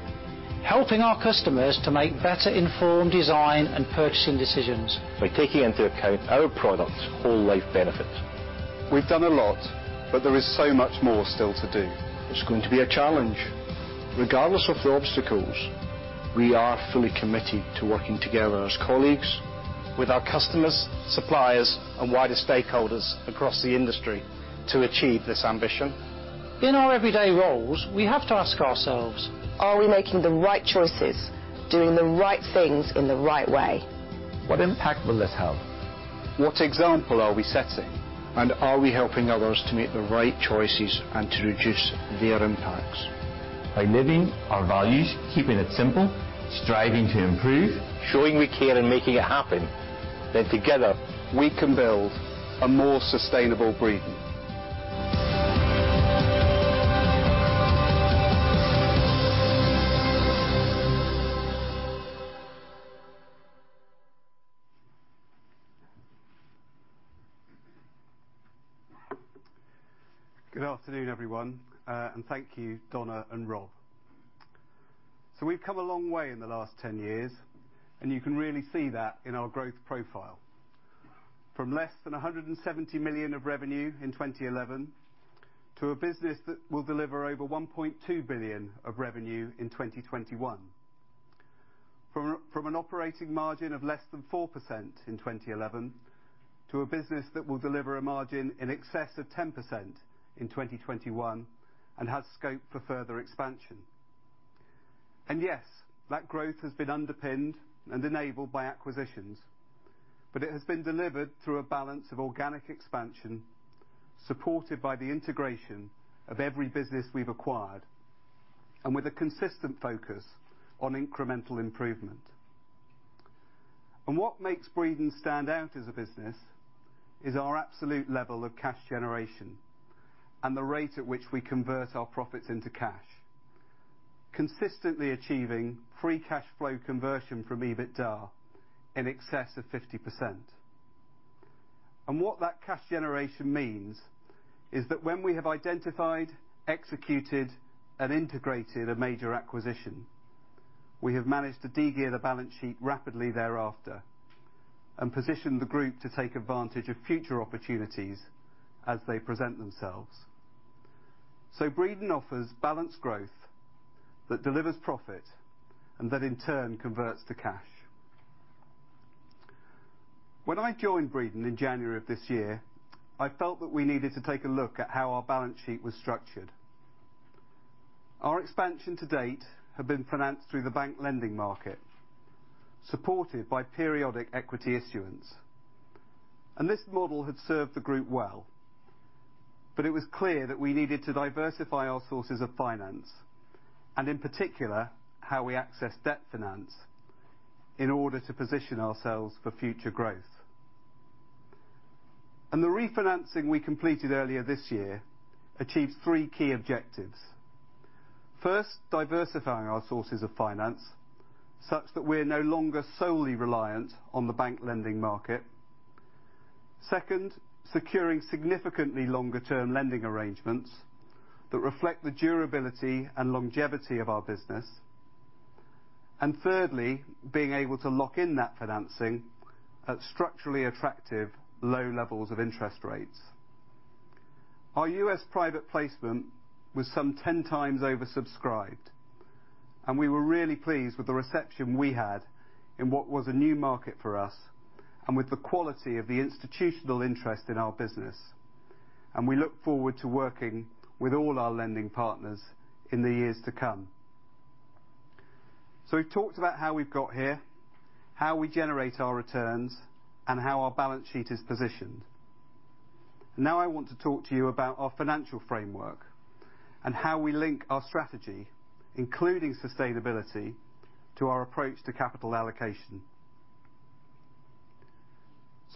helping our customers to make better informed design and purchasing decisions. By taking into account our products' whole life benefit. We've done a lot, but there is so much more still to do. It's going to be a challenge. Regardless of the obstacles, we are fully committed to working together as colleagues. With our customers, suppliers, and wider stakeholders across the industry to achieve this ambition. In our everyday roles, we have to ask ourselves. Are we making the right choices, doing the right things in the right way? What impact will this have? What example are we setting? Are we helping others to make the right choices and to reduce their impacts? By living our values, keeping it simple, striving to improve. Showing we care and making it happen Together we can build a more sustainable Breedon. Good afternoon, everyone. And thank you, Donna and Rob. We've come a long way in the last 10 years, and you can really see that in our growth profile. From less than 170 million of revenue in 2011, to a business that will deliver over 1.2 billion of revenue in 2021. From an operating margin of less than 4% in 2011, to a business that will deliver a margin in excess of 10% in 2021, and has scope for further expansion. Yes, that growth has been underpinned and enabled by acquisitions, but it has been delivered through a balance of organic expansion, supported by the integration of every business we've acquired, and with a consistent focus on incremental improvement. What makes Breedon stand out as a business is our absolute level of cash generation and the rate at which we convert our profits into cash, consistently achieving free cash flow conversion from EBITDA in excess of 50%. What that cash generation means is that when we have identified, executed, and integrated a major acquisition, we have managed to de-gear the balance sheet rapidly thereafter and position the group to take advantage of future opportunities as they present themselves. Breedon offers balanced growth that delivers profit and that in turn converts to cash. When I joined Breedon in January of this year, I felt that we needed to take a look at how our balance sheet was structured. Our expansion to date had been financed through the bank lending market, supported by periodic equity issuance. This model had served the group well. It was clear that we needed to diversify our sources of finance, and in particular, how we access debt finance in order to position ourselves for future growth. The refinancing we completed earlier this year achieved three key objectives. First, diversifying our sources of finance such that we're no longer solely reliant on the bank lending market. Second, securing significantly longer-term lending arrangements that reflect the durability and longevity of our business. Thirdly, being able to lock in that financing at structurally attractive low levels of interest rates. Our U.S. private placement was some 10 times oversubscribed, and we were really pleased with the reception we had in what was a new market for us, and with the quality of the institutional interest in our business. We look forward to working with all our lending partners in the years to come. We've talked about how we've got here, how we generate our returns, and how our balance sheet is positioned. Now I want to talk to you about our financial framework and how we link our strategy, including sustainability, to our approach to capital allocation.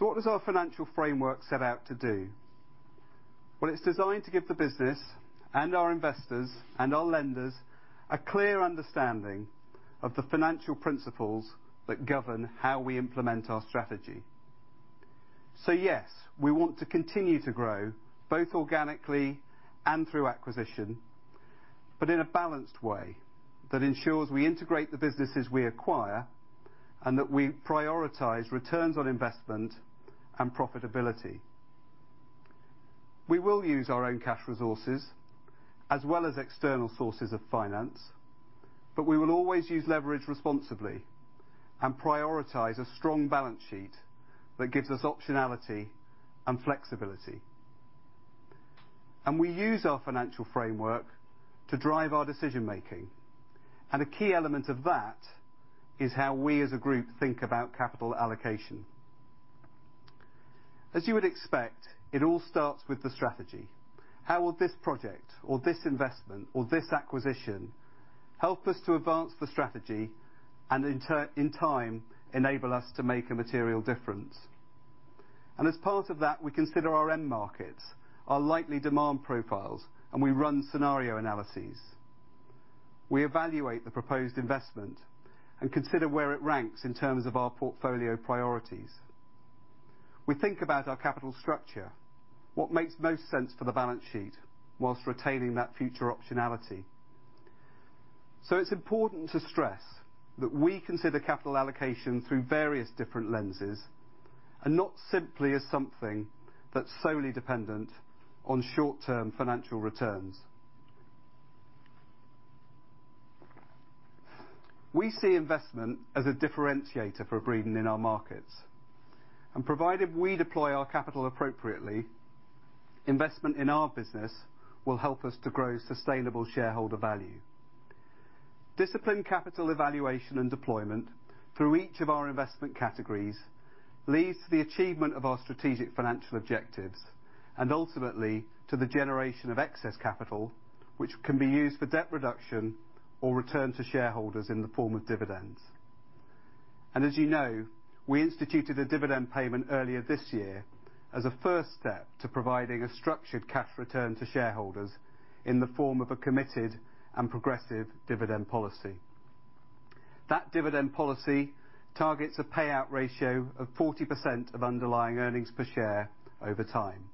What does our financial framework set out to do? Well, it's designed to give the business and our investors and our lenders a clear understanding of the financial principles that govern how we implement our strategy. Yes, we want to continue to grow, both organically and through acquisition in a balanced way that ensures we integrate the businesses we acquire, and that we prioritize returns on investment and profitability. We will use our own cash resources as well as external sources of finance, but we will always use leverage responsibly and prioritize a strong balance sheet that gives us optionality and flexibility. We use our financial framework to drive our decision-making. A key element of that is how we as a group think about capital allocation. As you would expect, it all starts with the strategy. How will this project or this investment or this acquisition help us to advance the strategy and in time, enable us to make a material difference? As part of that, we consider our end markets, our likely demand profiles, and we run scenario analyses. We evaluate the proposed investment and consider where it ranks in terms of our portfolio priorities. We think about our capital structure, what makes most sense for the balance sheet while retaining that future optionality. It's important to stress that we consider capital allocation through various different lenses, and not simply as something that's solely dependent on short-term financial returns. We see investment as a differentiator for Breedon in our markets. Provided we deploy our capital appropriately, investment in our business will help us to grow sustainable shareholder value. Disciplined capital evaluation and deployment through each of our investment categories leads to the achievement of our strategic financial objectives, and ultimately, to the generation of excess capital, which can be used for debt reduction or returned to shareholders in the form of dividends. As you know, we instituted a dividend payment earlier this year as a first step to providing a structured cash return to shareholders in the form of a committed and progressive dividend policy. That dividend policy targets a payout ratio of 40% of underlying earnings per share over time.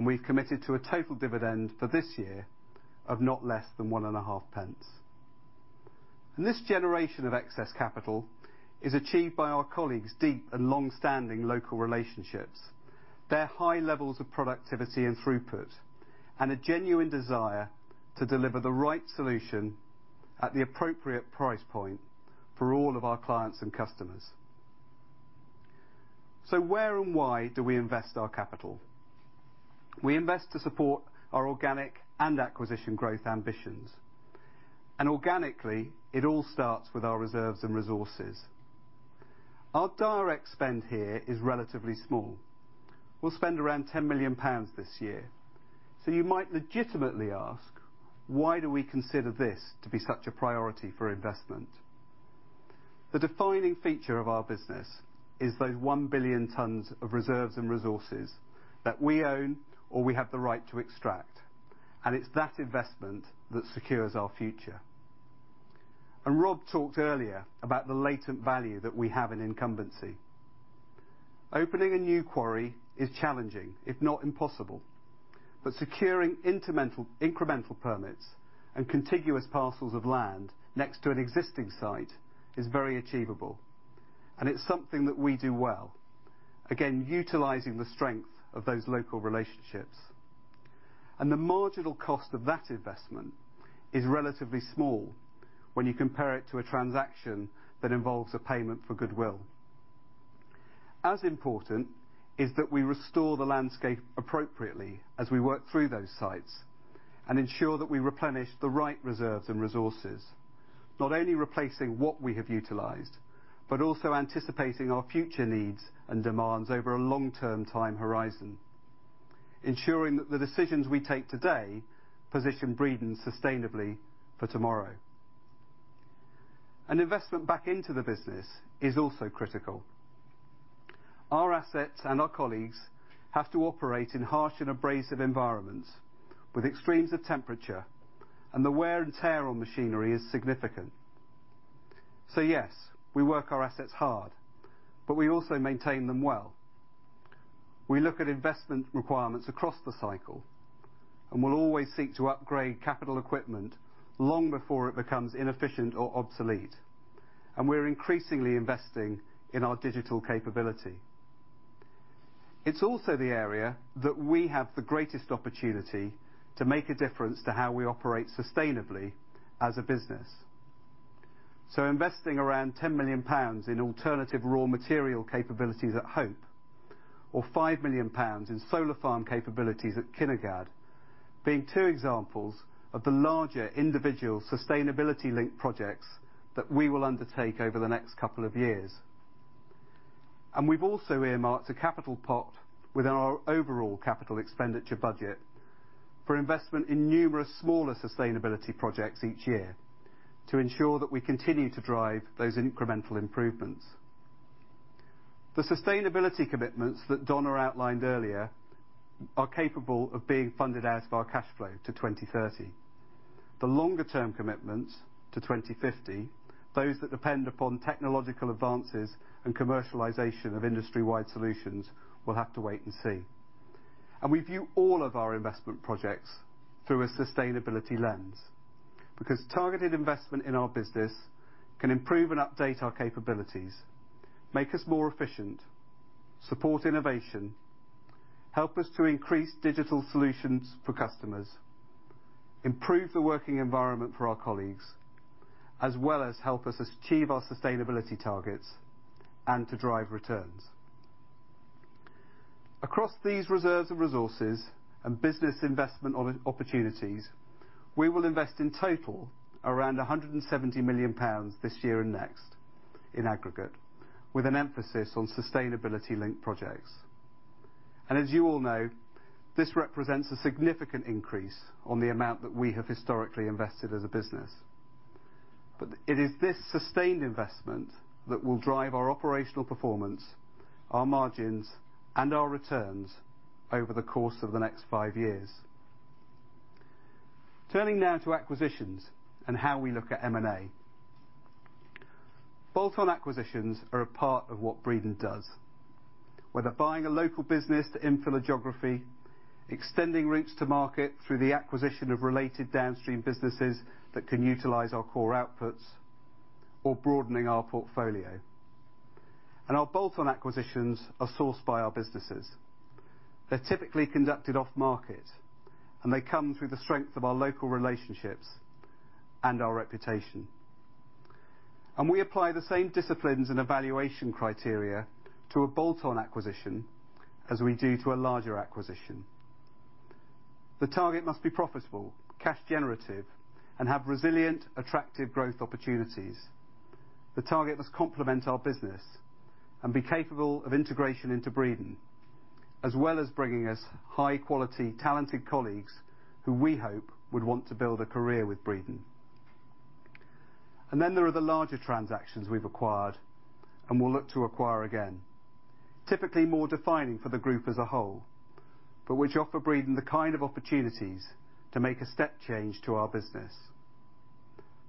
We've committed to a total dividend for this year of not less than 0.15. This generation of excess capital is achieved by our colleagues' deep and longstanding local relationships, their high levels of productivity and throughput, and a genuine desire to deliver the right solution at the appropriate price point for all of our clients and customers. Where and why do we invest our capital? We invest to support our organic and acquisition growth ambitions. Organically, it all starts with our reserves and resources. Our direct spend here is relatively small. We'll spend around BRL 10 million this year. You might legitimately ask, "Why do we consider this to be such a priority for investment?" The defining feature of our business is those 1 billion tons of reserves and resources that we own or we have the right to extract, and it's that investment that secures our future. Rob talked earlier about the latent value that we have in incumbency. Opening a new quarry is challenging, if not impossible, but securing incremental permits and contiguous parcels of land next to an existing site is very achievable, and it's something that we do well, again, utilizing the strength of those local relationships. The marginal cost of that investment is relatively small when you compare it to a transaction that involves a payment for goodwill. As important is that we restore the landscape appropriately as we work through those sites and ensure that we replenish the right reserves and resources, not only replacing what we have utilized, but also anticipating our future needs and demands over a long-term time horizon, ensuring that the decisions we take today position Breedon sustainably for tomorrow. An investment back into the business is also critical. Our assets and our colleagues have to operate in harsh and abrasive environments with extremes of temperature, and the wear and tear on machinery is significant. Yes, we work our assets hard, but we also maintain them well. We look at investment requirements across the cycle, and we'll always seek to upgrade capital equipment long before it becomes inefficient or obsolete. We're increasingly investing in our digital capability. It's also the area that we have the greatest opportunity to make a difference to how we operate sustainably as a business. Investing around 10 million pounds in alternative raw material capabilities at Hope or 5 million pounds in solar farm capabilities at Kinnegad being two examples of the larger individual sustainability-linked projects that we will undertake over the next couple of years. We've also earmarked a capital pot with our overall capital expenditure budget for investment in numerous smaller sustainability projects each year to ensure that we continue to drive those incremental improvements. The sustainability commitments that Donna outlined earlier are capable of being funded out of our cash flow to 2030. The longer term commitments to 2050, those that depend upon technological advances and commercialization of industry-wide solutions, we'll have to wait and see. We view all of our investment projects through a sustainability lens. Because targeted investment in our business can improve and update our capabilities, make us more efficient, support innovation, help us to increase digital solutions for customers, improve the working environment for our colleagues, as well as help us achieve our sustainability targets and to drive returns. Across these reserves of resources and business investment opportunities, we will invest in total around 170 million pounds this year and next in aggregate, with an emphasis on sustainability linked projects. As you all know, this represents a significant increase on the amount that we have historically invested as a business. It is this sustained investment that will drive our operational performance, our margins, and our returns over the course of the next five years. Turning now to acquisitions and how we look at M&A. Bolt-on acquisitions are a part of what Breedon does. Whether buying a local business to infill a geography, extending routes to market through the acquisition of related downstream businesses that can utilize our core outputs, or broadening our portfolio. Our bolt-on acquisitions are sourced by our businesses. They're typically conducted off-market, and they come through the strength of our local relationships and our reputation. We apply the same disciplines and evaluation criteria to a bolt-on acquisition as we do to a larger acquisition. The target must be profitable, cash generative, and have resilient, attractive growth opportunities. The target must complement our business and be capable of integration into Breedon, as well as bringing us high quality, talented colleagues who we hope would want to build a career with Breedon. Then there are the larger transactions we've acquired and will look to acquire again, typically more defining for the group as a whole, but which offer Breedon the kind of opportunities to make a step change to our business,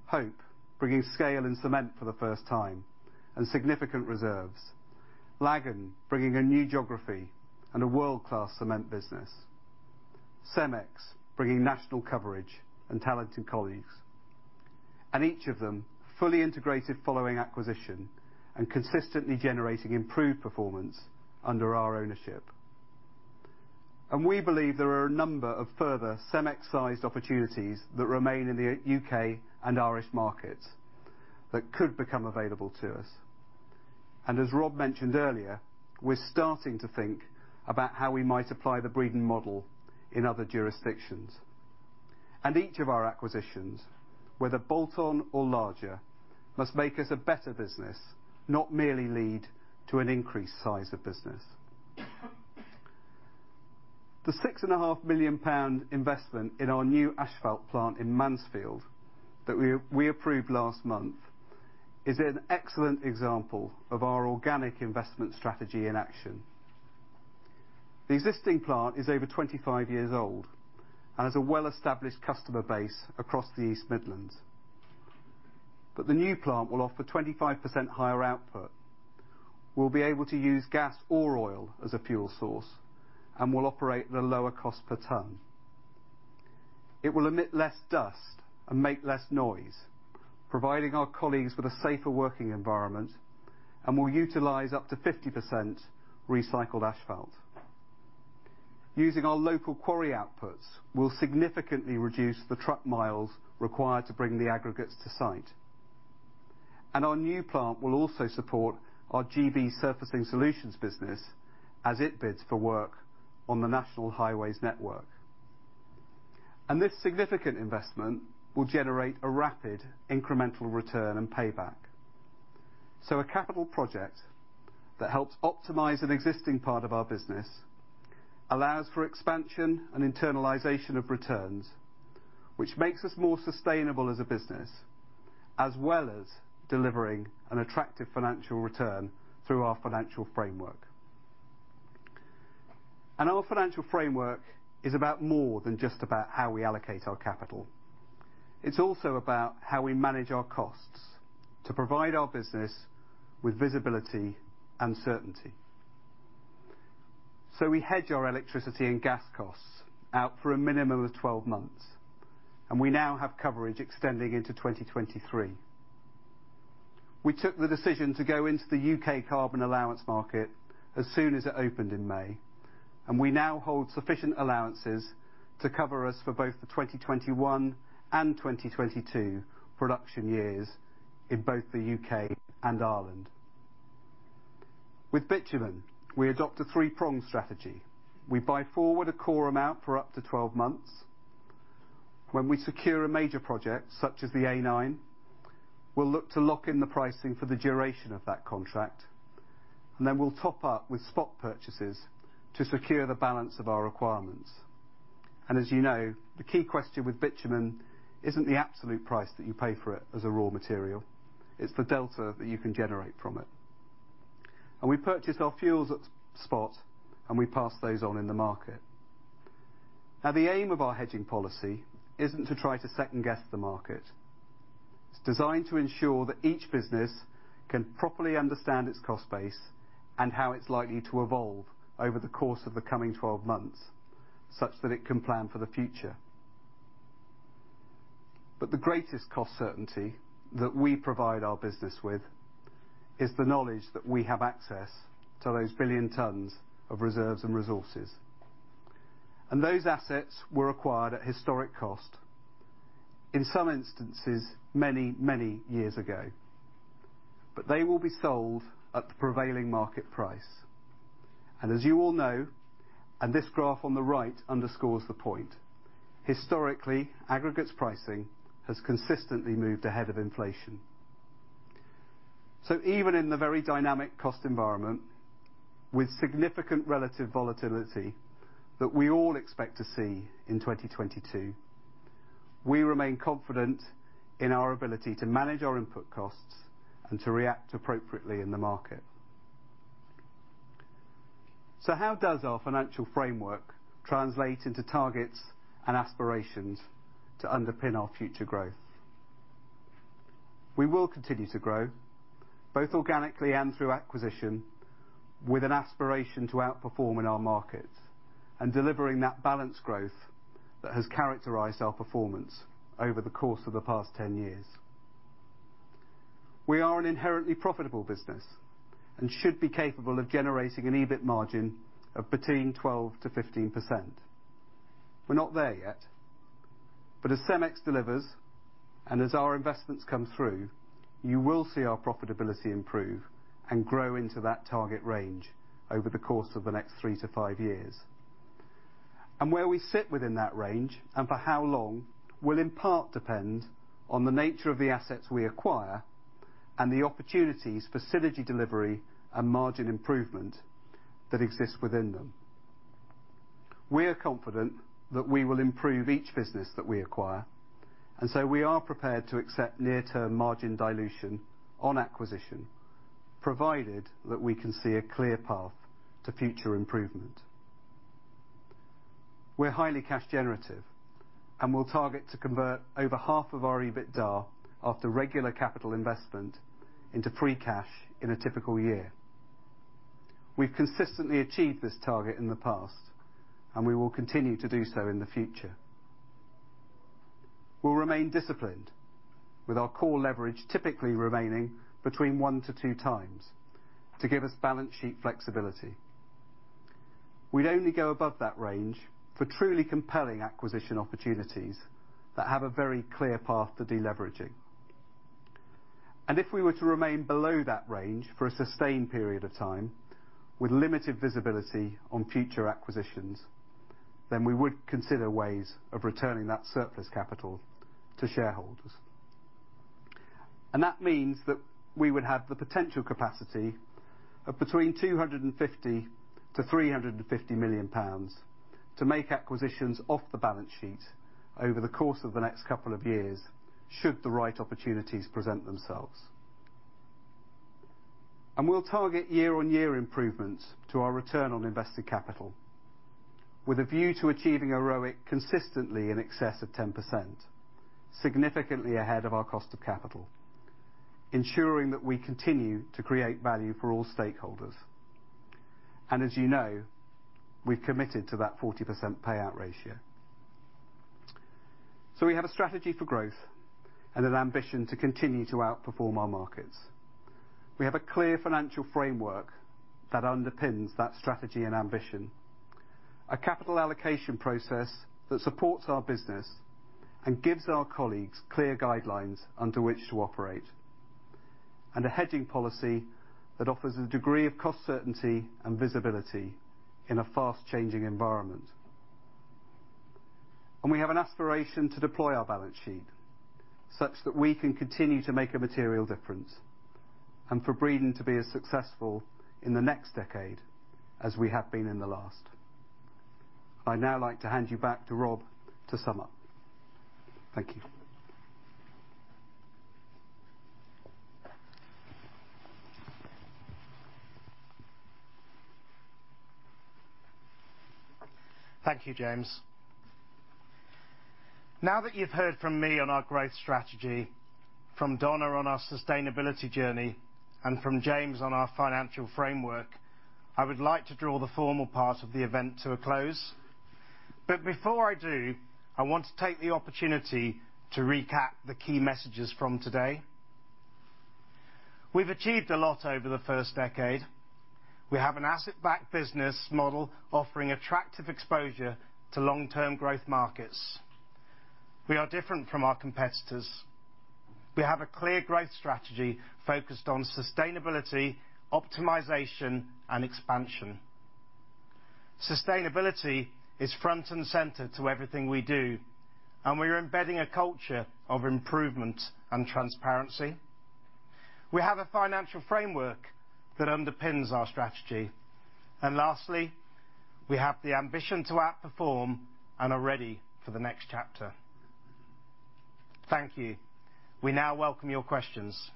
Hope, bringing scale and cement for the first time and significant reserves, Lagan, bringing a new geography and a world-class cement business. CEMEX, bringing national coverage and talented colleagues. Each of them fully integrated following acquisition and consistently generating improved performance under our ownership. We believe there are a number of further CEMEX-sized opportunities that remain in the U.K. and Irish markets that could become available to us. As Rob mentioned earlier, we're starting to think about how we might apply the Breedon model in other jurisdictions. Each of our acquisitions, whether bolt-on or larger, must make us a better business, not merely lead to an increased size of business. The 6.5 million pound investment in our new asphalt plant in Mansfield that we approved last month is an excellent example of our organic investment strategy in action. The existing plant is over 25 years old and has a well-established customer base across the East Midlands. The new plant will offer 25% higher output. We'll be able to use gas or oil as a fuel source and will operate at a lower cost per ton. It will emit less dust and make less noise, providing our colleagues with a safer working environment and will utilize up to 50% recycled asphalt. Using our local quarry outputs will significantly reduce the truck miles required to bring the aggregates to site. Our new plant will also support our GB Surfacing Solutions business as it bids for work on the National Highways Network. This significant investment will generate a rapid incremental return and payback. A capital project that helps optimize an existing part of our business allows for expansion and internalization of returns, which makes us more sustainable as a business, as well as delivering an attractive financial return through our financial framework. Our financial framework is about more than just how we allocate our capital. It's also about how we manage our costs to provide our business with visibility and certainty. We hedge our electricity and gas costs out for a minimum of 12 months, and we now have coverage extending into 2023. We took the decision to go into the U.K. Allowance market as soon as it opened in May, and we now hold sufficient allowances to cover us for both the 2021 and 2022 production years in both the U.K. and Ireland. With bitumen, we adopt a three-pronged strategy. We buy forward a core amount for up to 12 months. When we secure a major project, such as the A9, we'll look to lock in the pricing for the duration of that contract, and then we'll top up with spot purchases to secure the balance of our requirements. As you know, the key question with bitumen isn't the absolute price that you pay for it as a raw material, it's the delta that you can generate from it. We purchase our fuels at spot, and we pass those on in the market. Now, the aim of our hedging policy isn't to try to second-guess the market. It's designed to ensure that each business can properly understand its cost base and how it's likely to evolve over the course of the coming 12 months such that it can plan for the future. The greatest cost certainty that we provide our business with is the knowledge that we have access to those 1 billion tons of reserves and resources, and those assets were acquired at historic cost, in some instances many, many years ago. They will be sold at the prevailing market price. As you all know, and this graph on the right underscores the point, historically, aggregates pricing has consistently moved ahead of inflation. Even in the very dynamic cost environment with significant relative volatility that we all expect to see in 2022, we remain confident in our ability to manage our input costs and to react appropriately in the market. How does our financial framework translate into targets and aspirations to underpin our future growth? We will continue to grow, both organically and through acquisition, with an aspiration to outperform in our markets and delivering that balanced growth that has characterized our performance over the course of the past 10 years. We are an inherently profitable business and should be capable of generating an EBIT margin of between 12%-15%. We're not there yet. But as CEMEX delivers and as our investments come through, you will see our profitability improve and grow into that target range over the course of the next three to five years. Where we sit within that range and for how long will in part depend on the nature of the assets we acquire and the opportunities for synergy delivery and margin improvement that exist within them. We are confident that we will improve each business that we acquire, and so we are prepared to accept near-term margin dilution on acquisition, provided that we can see a clear path to future improvement. We're highly cash generative, and we'll target to convert over half of our EBITDA after regular capital investment into free cash in a typical year. We've consistently achieved this target in the past, and we will continue to do so in the future. We'll remain disciplined with our core leverage typically remaining between 1x-2x to give us balance sheet flexibility. We'd only go above that range for truly compelling acquisition opportunities that have a very clear path to deleveraging. If we were to remain below that range for a sustained period of time with limited visibility on future acquisitions, then we would consider ways of returning that surplus capital to shareholders. That means that we would have the potential capacity of between 250 million and 350 million pounds to make acquisitions off the balance sheet over the course of the next couple of years should the right opportunities present themselves. We'll target year-on-year improvements to our return on invested capital with a view to achieving a ROIC consistently in excess of 10%, significantly ahead of our cost of capital, ensuring that we continue to create value for all stakeholders. As you know, we've committed to that 40% payout ratio. We have a strategy for growth and an ambition to continue to outperform our markets. We have a clear financial framework that underpins that strategy and ambition, a capital allocation process that supports our business and gives our colleagues clear guidelines under which to operate, and a hedging policy that offers a degree of cost certainty and visibility in a fast-changing environment. We have an aspiration to deploy our balance sheet such that we can continue to make a material difference and for Breedon to be as successful in the next decade as we have been in the last. I'd now like to hand you back to Rob to sum up. Thank you. Thank you, James. Now that you've heard from me on our growth strategy, from Donna on our sustainability journey, and from James on our financial framework, I would like to draw the formal part of the event to a close. Before I do, I want to take the opportunity to recap the key messages from today. We've achieved a lot over the first decade. We have an asset-backed business model offering attractive exposure to long-term growth markets. We are different from our competitors. We have a clear growth strategy focused on sustainability, optimization, and expansion. Sustainability is front and center to everything we do, and we are embedding a culture of improvement and transparency. We have a financial framework that underpins our strategy. Lastly, we have the ambition to outperform and are ready for the next chapter. Thank you. We now welcome your questions.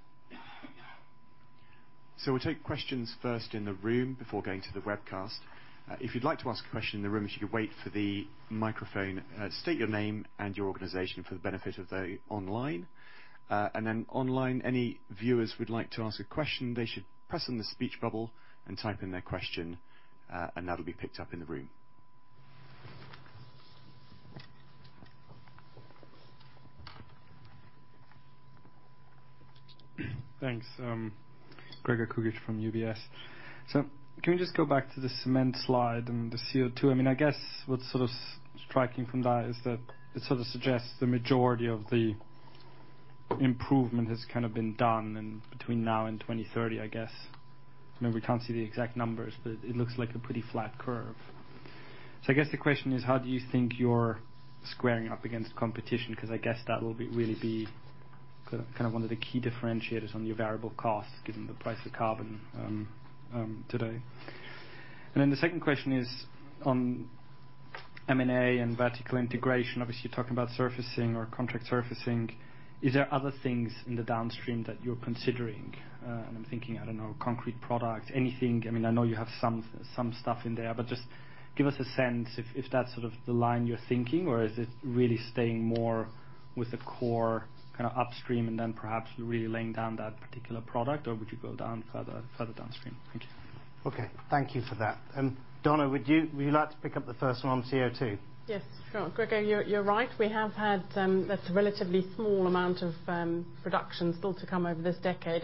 We'll take questions first in the room before going to the webcast. If you'd like to ask a question in the room, if you could wait for the microphone. State your name and your organization for the benefit of the online. Online, any viewers would like to ask a question, they should press on the speech bubble and type in their question, and that'll be picked up in the room. Thanks. Gregor Kuglitsch from UBS. Can we just go back to the cement slide and the CO2? I mean, I guess what's sort of striking from that is that it sort of suggests the majority of the improvement has kind of been done and between now and 2030, I guess. Maybe we can't see the exact numbers, but it looks like a pretty flat curve. I guess the question is how do you think you're squaring up against competition? Because I guess that will be really kind of one of the key differentiators on your variable costs given the price of carbon today. Then the second question is on M&A and vertical integration. Obviously, you're talking about surfacing or contract surfacing. Is there other things in the downstream that you're considering? And I'm thinking, I don't know, concrete products, anything. I mean, I know you have some stuff in there, but just give us a sense if that's sort of the line you're thinking or is it really staying more with the core kind of upstream and then perhaps really laying down that particular product? Or would you go down further downstream? Thank you. Okay. Thank you for that. Donna, would you like to pick up the first one on CO2? Yes, sure. Gregor, you're right. We have had a relatively small amount of production still to come over this decade.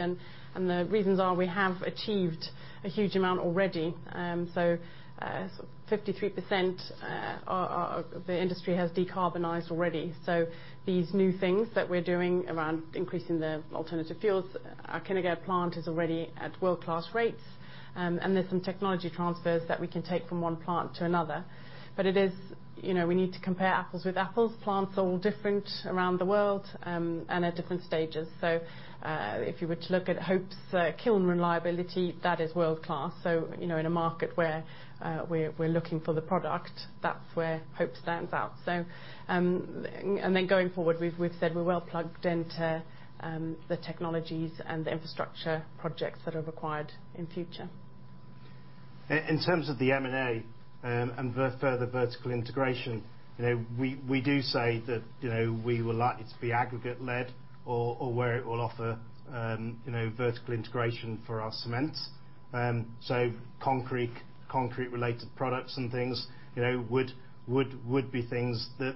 The reasons are we have achieved a huge amount already. 53% of the industry has decarbonized already. These new things that we're doing around increasing the alternative fuels, our Kinnegad plant is already at world-class rates. There's some technology transfers that we can take from one plant to another. It is, you know, we need to compare apples with apples. Plants are all different around the world, and at different stages. If you were to look at Hope's kiln reliability, that is world-class. You know, in a market where we're looking for the product, that's where Hope stands out. Going forward, we've said we're well plugged into the technologies and the infrastructure projects that are required in future. In terms of the M&A and further vertical integration, you know, we do say that, you know, we were likely to be aggregate-led or where it will offer, you know, vertical integration for our cements. Concrete-related products and things, you know, would be things that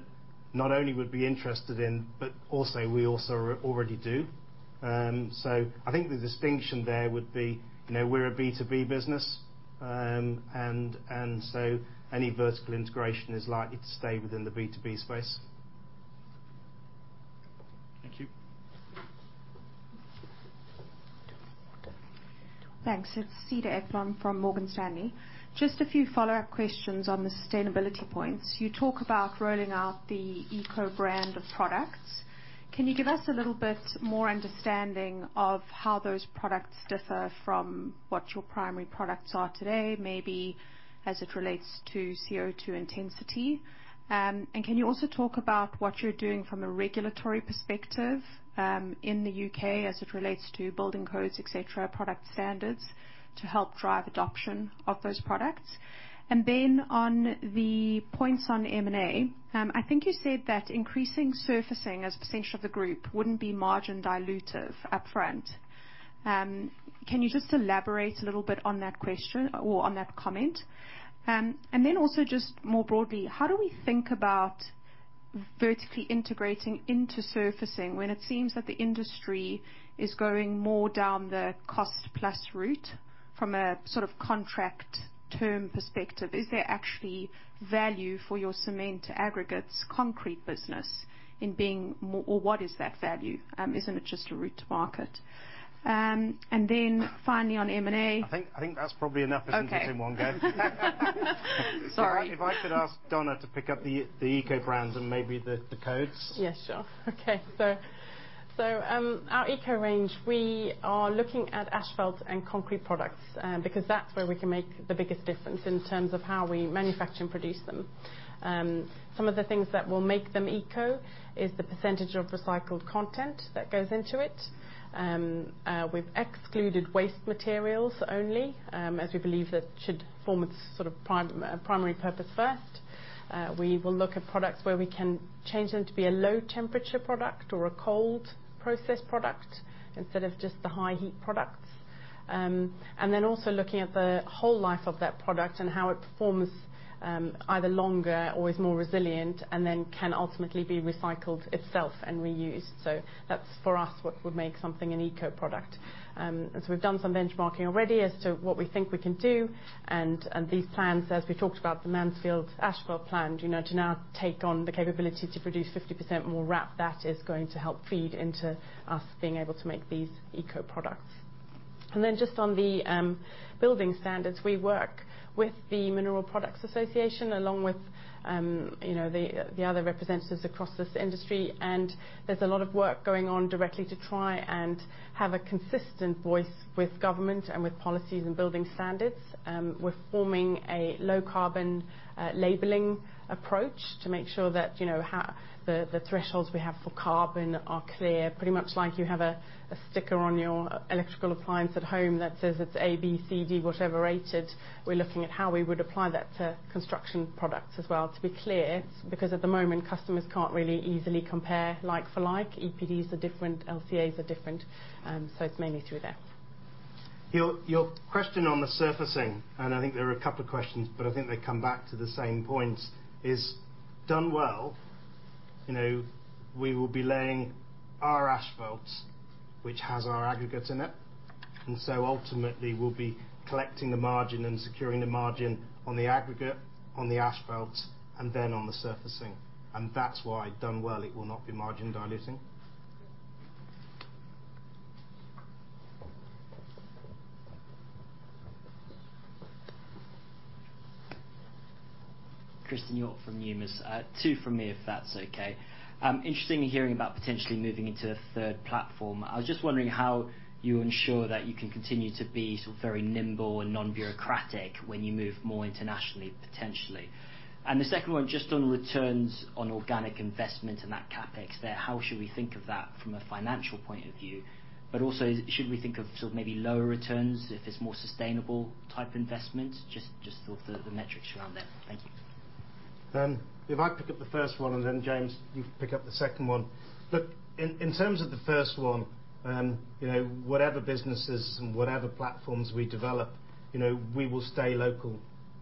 not only would be interested in, but also we also already do. I think the distinction there would be, you know, we're a B2B business, and so any vertical integration is likely to stay within the B2B space. Thank you. Thanks. It's Sita Eklund from Morgan Stanley. Just a few follow-up questions on the sustainability points. You talk about rolling out the eco brand of products. Can you give us a little bit more understanding of how those products differ from what your primary products are today, maybe as it relates to CO2 intensity? And can you also talk about what you're doing from a regulatory perspective, in the U.K. as it relates to building codes, et cetera, product standards to help drive adoption of those products? On the points on M&A, I think you said that increasing surfacing as a percentage of the group wouldn't be margin dilutive upfront. Can you just elaborate a little bit on that question or on that comment? Also just more broadly, how do we think about vertically integrating into surfacing when it seems that the industry is going more down the cost-plus route from a sort of contract term perspective? Is there actually value for your cement aggregates concrete business, or what is that value? Isn't it just a route to market? Finally on M&A. I think that's probably enough. Okay. Into one go. Sorry. If I could ask Donna to pick up the eco brands and maybe the codes. Our eco range, we are looking at asphalt and concrete products, because that's where we can make the biggest difference in terms of how we manufacture and produce them. Some of the things that will make them eco is the percentage of recycled content that goes into it. We've excluded waste materials only, as we believe that should form a sort of primary purpose first. We will look at products where we can change them to be a low temperature product or a cold process product instead of just the high heat products. Then also looking at the whole life of that product and how it performs, either longer or is more resilient and then can ultimately be recycled itself and reused. That's for us, what would make something an eco product. As we've done some benchmarking already as to what we think we can do, and these plans, as we talked about the Mansfield Asphalt plant, you know, to now take on the capability to produce 50% more RAP, that is going to help feed into us being able to make these eco products. Just on the building standards, we work with the Mineral Products Association, along with, you know, the other representatives across this industry. There's a lot of work going on directly to try and have a consistent voice with government and with policies and building standards. We're forming a low-carbon labeling approach to make sure that the thresholds we have for carbon are clear. Pretty much like you have a sticker on your electrical appliance at home that says it's A, B, C, D, whatever rated. We're looking at how we would apply that to construction products as well, to be clear, because at the moment, customers can't really easily compare like for like. EPDs are different, LCAs are different, so it's mainly through there. Your question on the surfacing, and I think there are a couple of questions, but I think they come back to the same point, is done well. You know, we will be laying our asphalts, which has our aggregates in it. Ultimately we'll be collecting the margin and securing the margin on the aggregate, on the asphalts, and then on the surfacing. That's why done well, it will not be margin diluting. Christian York from Numis. Two from me, if that's okay. Interesting hearing about potentially moving into a third platform. I was just wondering how you ensure that you can continue to be sort of very nimble and non-bureaucratic when you move more internationally, potentially. The second one, just on returns on organic investment and that CapEx there, how should we think of that from a financial point of view? Also should we think of sort of maybe lower returns if it's more sustainable type investment? Just thought the metrics around there. Thank you. If I pick up the first one, and then James, you pick up the second one. Look, in terms of the first one, you know, whatever businesses and whatever platforms we develop, you know, we will stay local.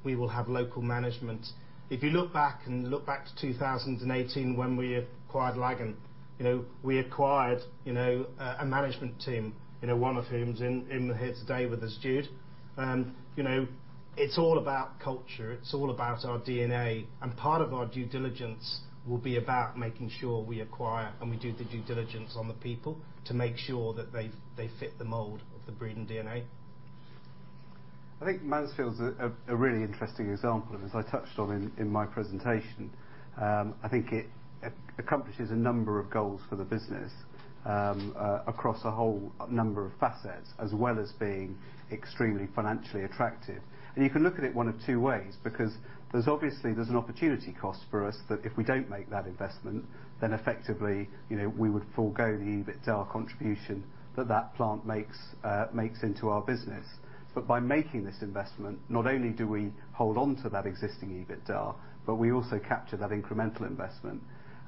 We will have local management. If you look back to 2018 when we acquired Lagan, you know, we acquired a management team. You know, one of whom is in here today with us, Jude. You know, it's all about culture, it's all about our DNA, and part of our due diligence will be about making sure we acquire and we do the due diligence on the people to make sure that they fit the mold of the Breedon DNA. I think Mansfield's a really interesting example, as I touched on in my presentation. I think it accomplishes a number of goals for the business, across a whole number of facets, as well as being extremely financially attractive. You can look at it one of two ways because there's obviously an opportunity cost for us that if we don't make that investment, then effectively, you know, we would forgo the EBITDA contribution that that plant makes into our business. By making this investment, not only do we hold on to that existing EBITDA, but we also capture that incremental investment.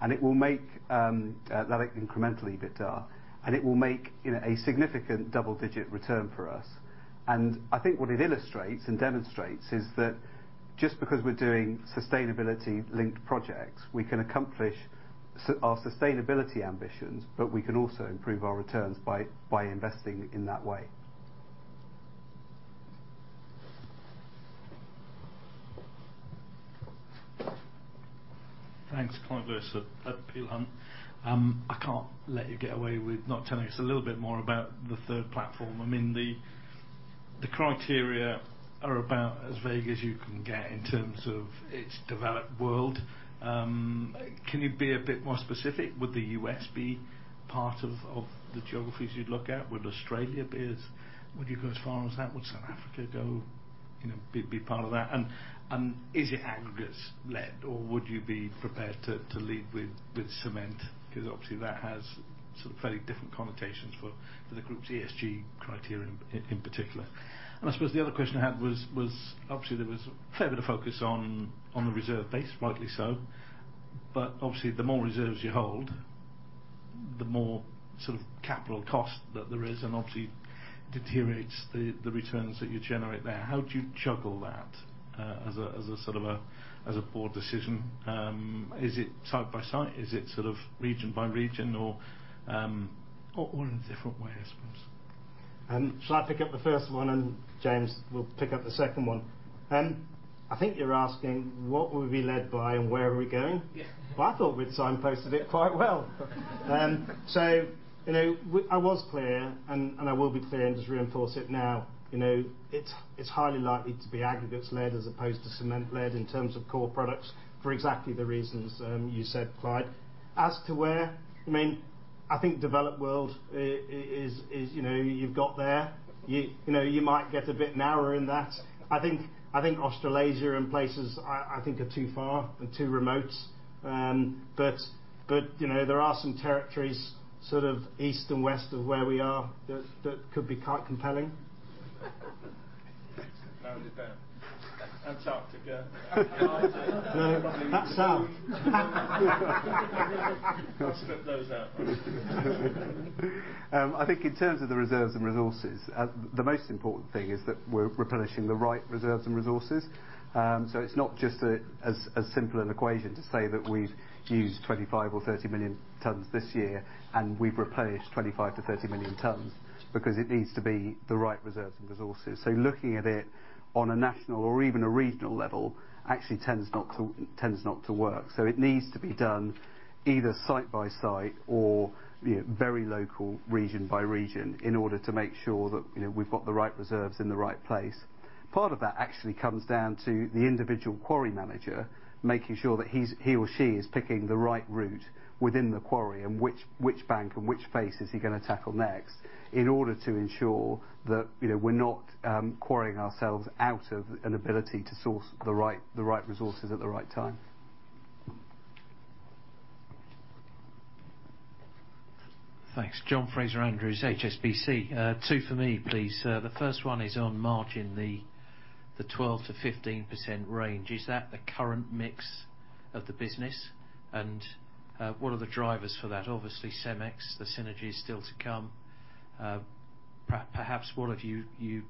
It will make that incremental EBITDA, you know, a significant double-digit return for us. I think what it illustrates and demonstrates is that just because we're doing sustainability linked projects, we can accomplish our sustainability ambitions, but we can also improve our returns by investing in that way. Thanks. Clyde Lewis at Peel Hunt. I can't let you get away with not telling us a little bit more about the third platform. I mean, the criteria are about as vague as you can get in terms of its developed world. Can you be a bit more specific? Would the U.S. be part of the geographies you'd look at? Would you go as far as Australia? Would South Africa, you know, be part of that? Is it aggregates led, or would you be prepared to lead with cement? Because obviously that has sort of fairly different connotations for the group's ESG criterion in particular. I suppose the other question I had was obviously there was a fair bit of focus on the reserve base, rightly so. Obviously the more reserves you hold, the more sort of capital cost that there is, and obviously deteriorates the returns that you generate there. How do you juggle that as a board decision? Is it site by site? Is it sort of region by region or in different ways, I suppose? Shall I pick up the first one and James will pick up the second one? I think you're asking what would be led by and where are we going? Yeah. Well, I thought we'd signposted it quite well. You know, I was clear and I will be clear and just reinforce it now. You know, it's highly likely to be aggregates led as opposed to cement led in terms of core products for exactly the reasons you said, Clyde. As to where, I mean, I think developed world is, you know, you've got there. You know, you might get a bit narrower in that. I think Australasia and places I think are too far and too remote. You know, there are some territories sort of east and west of where we are that could be quite compelling. Now, is there Antarctica? No, that's south. I'll strip those out. I think in terms of the reserves and resources, the most important thing is that we're replenishing the right reserves and resources. It's not just as simple an equation to say that we've used 25 or 30 million tons this year, and we've replenished 25-30 million tons because it needs to be the right reserves and resources. Looking at it on a national or even a regional level actually tends not to work. It needs to be done either site by site or, you know, very local region by region in order to make sure that, you know, we've got the right reserves in the right place. Part of that actually comes down to the individual quarry manager, making sure that he or she is picking the right route within the quarry and which bank and which face is he gonna tackle next in order to ensure that, you know, we're not quarrying ourselves out of an ability to source the right resources at the right time. Thanks. John Fraser-Andrews, HSBC. Two for me, please. The first one is on margin, the 12%-15% range. Is that the current mix? of the business, what are the drivers for that? Obviously, CEMEX, the synergy is still to come. Perhaps what have you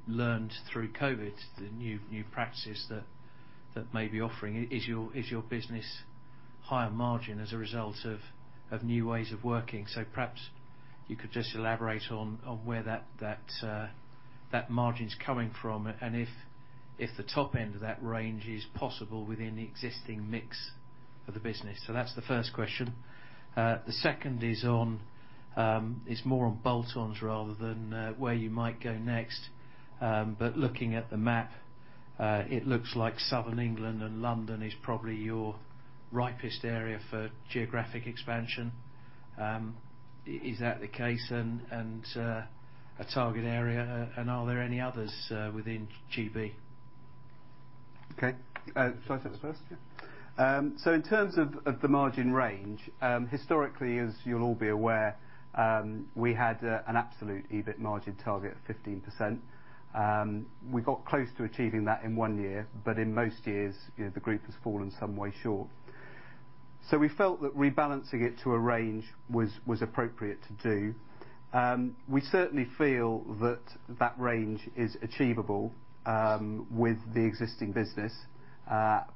learned through COVID, the new practices that may be offering. Is your business higher margin as a result of new ways of working? Perhaps you could just elaborate on where that margin's coming from and if the top end of that range is possible within the existing mix of the business. That's the first question. The second is more on bolt-ons rather than where you might go next. Looking at the map, it looks like Southern England and London is probably your ripest area for geographic expansion. Is that the case, and a target area, and are there any others within GB? Okay. Shall I take this first, yeah? In terms of the margin range, historically, as you'll all be aware, we had an absolute EBIT margin target of 15%. We got close to achieving that in one year, but in most years, you know, the group has fallen some way short. We felt that rebalancing it to a range was appropriate to do. We certainly feel that range is achievable with the existing business,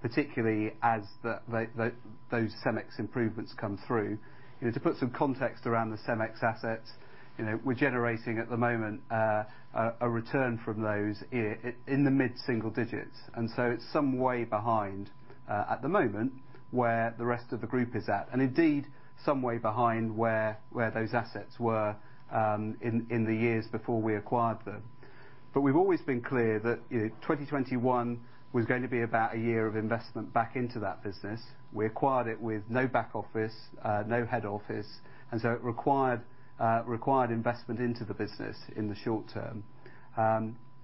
particularly as those CEMEX improvements come through. You know, to put some context around the CEMEX assets, you know, we're generating at the moment a return from those in the mid-single digits, and so it's some way behind at the moment where the rest of the group is at, and indeed, some way behind where those assets were in the years before we acquired them. We've always been clear that, you know, 2021 was going to be about a year of investment back into that business. We acquired it with no back office, no head office, and so it required investment into the business in the short term.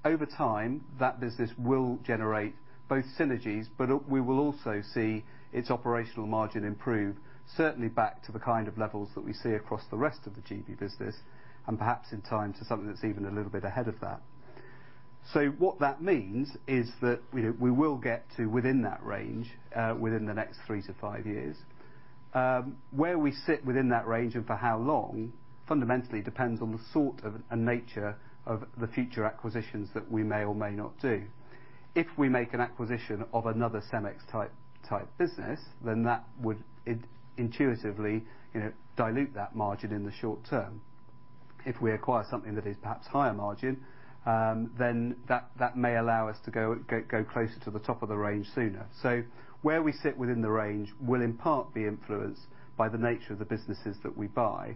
Over time, that business will generate both synergies, but we will also see its operational margin improve, certainly back to the kind of levels that we see across the rest of the GB business and perhaps in time to something that's even a little bit ahead of that. What that means is that, you know, we will get to within that range within the next three to five years. Where we sit within that range and for how long fundamentally depends on the sort of and nature of the future acquisitions that we may or may not do. If we make an acquisition of another CEMEX-type business, then that would intuitively, you know, dilute that margin in the short term. If we acquire something that is perhaps higher margin, then that may allow us to go closer to the top of the range sooner. Where we sit within the range will in part be influenced by the nature of the businesses that we buy.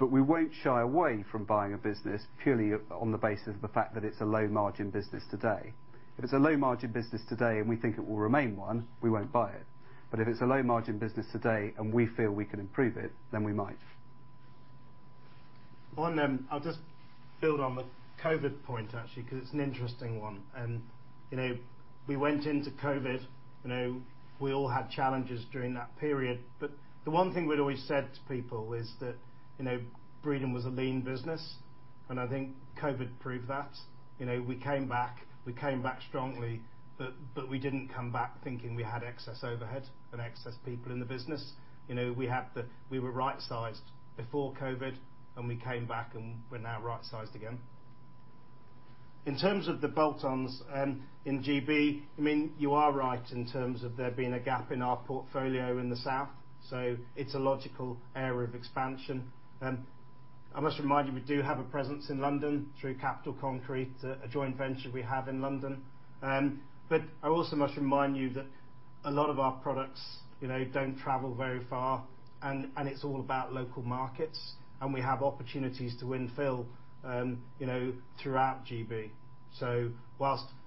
We won't shy away from buying a business purely on the basis of the fact that it's a low-margin business today. If it's a low-margin business today, and we think it will remain one, we won't buy it. If it's a low-margin business today, and we feel we can improve it, then we might. One, I'll just build on the COVID point actually, 'cause it's an interesting one. You know, we went into COVID, you know, we all had challenges during that period. The one thing we'd always said to people is that, you know, Breedon was a lean business, and I think COVID proved that. You know, we came back strongly, but we didn't come back thinking we had excess overhead and excess people in the business. You know, we were right-sized before COVID, and we came back, and we're now right-sized again. In terms of the bolt-ons, in GB, I mean, you are right in terms of there being a gap in our portfolio in the south, so it's a logical area of expansion. I must remind you, we do have a presence in London through Capital Concrete, a joint venture we have in London. But I also must remind you that a lot of our products, you know, don't travel very far, and it's all about local markets, and we have opportunities to infill, you know, throughout GB.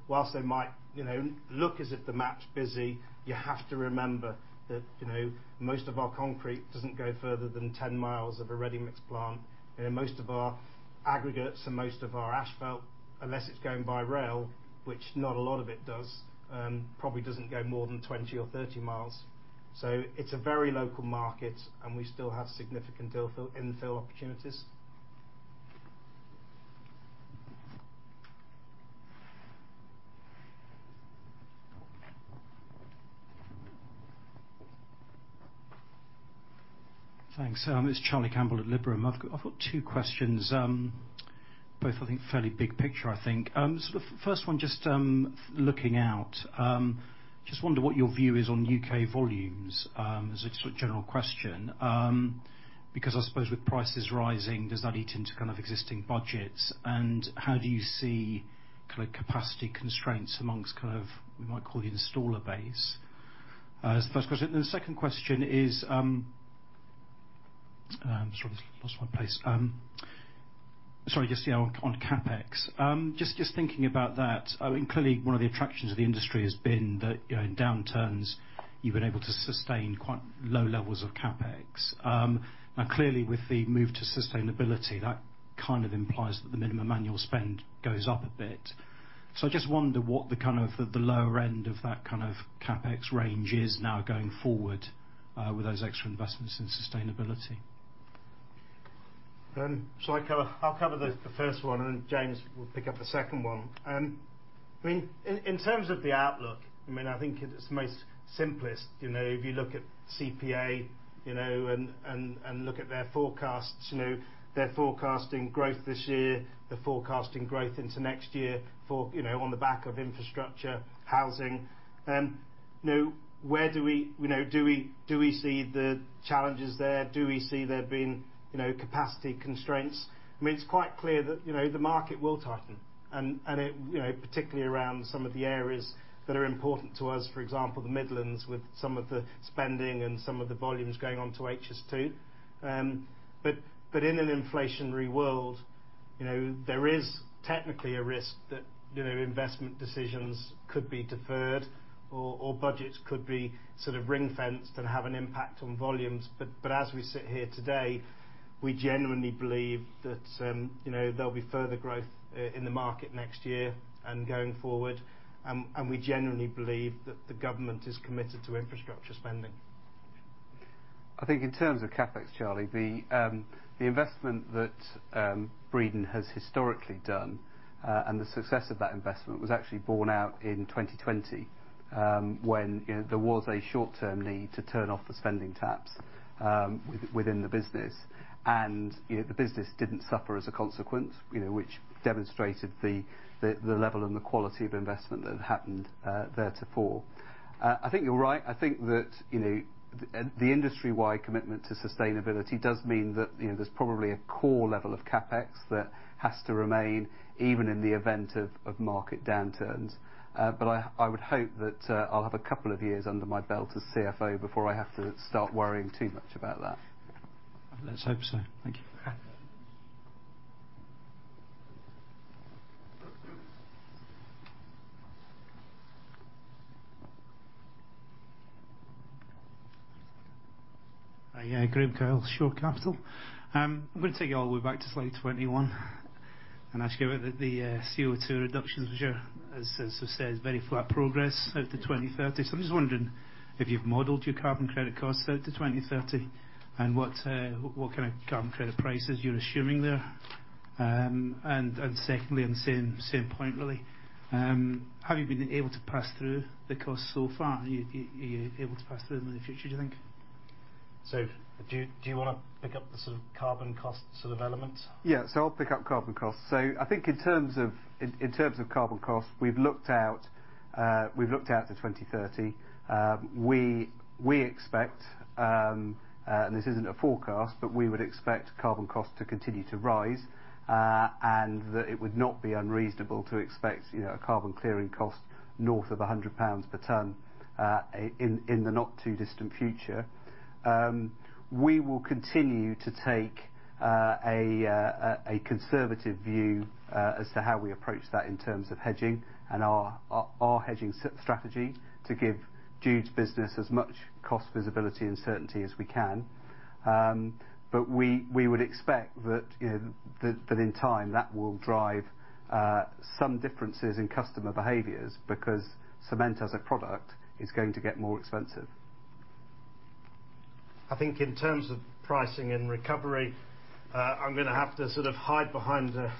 While they might, you know, look as if the map's busy, you have to remember that, you know, most of our concrete doesn't go further than 10 mi of a ready-mix plant, you know, most of our aggregates and most of our asphalt, unless it's going by rail, which not a lot of it does, probably doesn't go more than 20 or 30 mi. It's a very local market, and we still have significant infill opportunities. Thanks. It's Charlie Campbell at Liberum. I've got two questions, both I think fairly big picture, I think. Sort of first one, just looking out, just wonder what your view is on UK volumes, as a sort of general question, because I suppose with prices rising, does that eat into kind of existing budgets? And how do you see kind of capacity constraints amongst kind of, we might call the installer base? That's the first question. Then the second question is, sorry, lost my place. Sorry, just on CapEx. Just thinking about that, I mean clearly one of the attractions of the industry has been that, you know, in downturns you've been able to sustain quite low levels of CapEx. Now clearly with the move to sustainability, that kind of implies that the minimum annual spend goes up a bit. I just wonder what the lower end of that kind of CapEx range is now going forward, with those extra investments in sustainability. I'll cover the first one, and then James will pick up the second one. I mean, in terms of the outlook, I mean, I think it's the most simplest. You know, if you look at CPA, you know, and look at their forecasts, you know, they're forecasting growth this year, they're forecasting growth into next year for, you know, on the back of infrastructure, housing. You know, where do we, you know, do we see the challenges there? Do we see there being, you know, capacity constraints? I mean, it's quite clear that, you know, the market will tighten and it, you know, particularly around some of the areas that are important to us, for example, the Midlands with some of the spending and some of the volumes going onto HS2. In an inflationary world, you know, there is technically a risk that, you know, investment decisions could be deferred or budgets could be sort of ring-fenced and have an impact on volumes. As we sit here today, we genuinely believe that, you know, there'll be further growth in the market next year and going forward, and we genuinely believe that the government is committed to infrastructure spending. I think in terms of CapEx, Charlie, the investment that Breedon has historically done and the success of that investment was actually borne out in 2020, when you know there was a short-term need to turn off the spending taps within the business. You know, the business didn't suffer as a consequence, you know, which demonstrated the level and the quality of investment that had happened theretofore. I think you're right. I think that you know the industry-wide commitment to sustainability does mean that you know there's probably a core level of CapEx that has to remain even in the event of market downturns. I would hope that I'll have a couple of years under my belt as CFO before I have to start worrying too much about that. Let's hope so. Thank you. Okay. Hi. Yeah, Graeme Kyle, Shore Capital. I'm gonna take you all the way back to slide 21 and ask you about the CO2 reductions which are, as was said, very flat progress out to 2030. I'm just wondering if you've modeled your carbon credit costs out to 2030, and what kind of carbon credit prices you're assuming there. And secondly, on the same point really, have you been able to pass through the cost so far? Are you able to pass through in the future, do you think? Do you wanna pick up the sort of carbon cost sort of element? I'll pick up carbon cost. I think in terms of carbon cost, we've looked out to 2030. We expect, and this isn't a forecast, but we would expect carbon costs to continue to rise, and that it would not be unreasonable to expect, you know, a carbon clearing cost north of 100 pounds per ton in the not-too-distant future. We will continue to take a conservative view as to how we approach that in terms of hedging and our hedging strategy to give Jude's business as much cost visibility and certainty as we can. We would expect that, you know, that in time that will drive some differences in customer behaviors because cement as a product is going to get more expensive. I think in terms of pricing and recovery, I'm gonna have to sort of hide behind the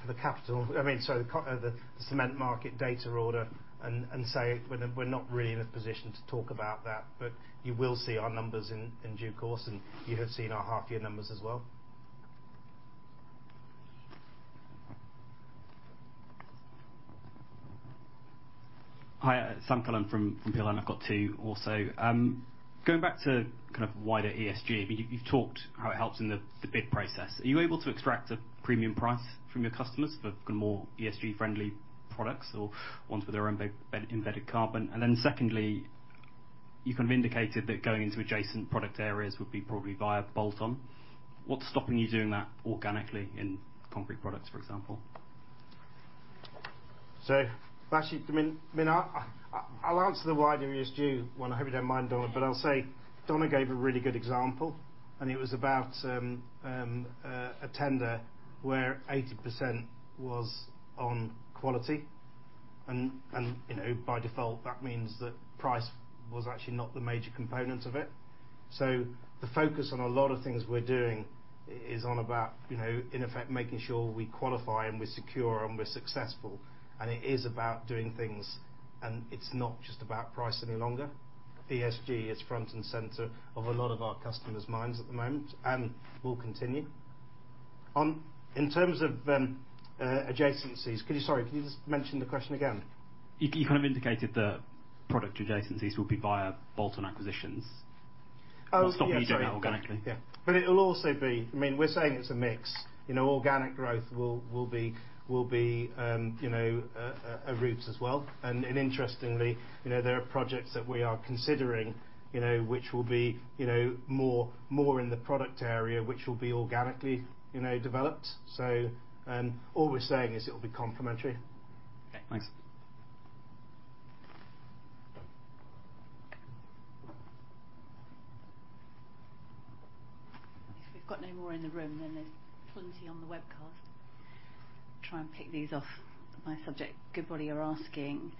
Cement Market Data Order and say we're not really in a position to talk about that. You will see our numbers in due course, and you have seen our half year numbers as well. Hi, Sam Cullen from Peel Hunt. I've got two also. Going back to kind of wider ESG, I mean, you've talked how it helps in the bid process. Are you able to extract a premium price from your customers for more ESG-friendly products or ones with their own embedded carbon? Secondly, you kind of indicated that going into adjacent product areas would be probably via bolt-on. What's stopping you doing that organically in concrete products, for example? Actually, I'll answer the wider ESG one. I hope you don't mind, Donna. I'll say Donna gave a really good example, and it was about a tender where 80% was on quality and, you know, by default, that means that price was actually not the major component of it. The focus on a lot of things we're doing is on about, you know, in effect, making sure we qualify and we're secure and we're successful, and it is about doing things, and it's not just about price any longer. ESG is front and center of a lot of our customers' minds at the moment and will continue. In terms of adjacencies, sorry, could you just mention the question again? You kind of indicated that product adjacencies will be via bolt-on acquisitions. Oh, yeah. Sorry. What's stopping you doing that organically? Yeah, it'll also be. I mean, we're saying it's a mix. You know, organic growth will be a route as well. Interestingly, you know, there are projects that we are considering, you know, which will be more in the product area, which will be organically developed. You know, all we're saying is it will be complementary. Okay, thanks. If we've got no more in the room, then there's plenty on the webcast. Try and pick these off by subject. Goodbody are asking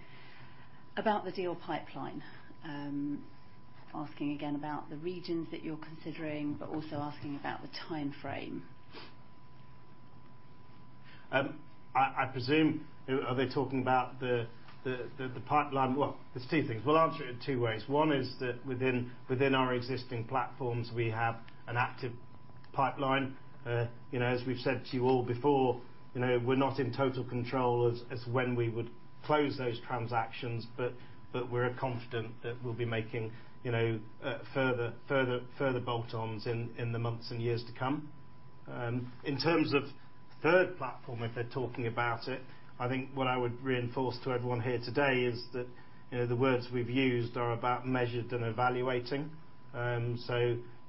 about the deal pipeline, asking again about the regions that you're considering, but also asking about the timeframe. I presume they're talking about the pipeline? Well, there's two things. We'll answer it in two ways. One is that within our existing platforms, we have an active pipeline. You know, as we've said to you all before, you know, we're not in total control as when we would close those transactions, but we're confident that we'll be making, you know, further bolt-ons in the months and years to come. In terms of third platform, if they're talking about it, I think what I would reinforce to everyone here today is that, you know, the words we've used are about measuring and evaluating.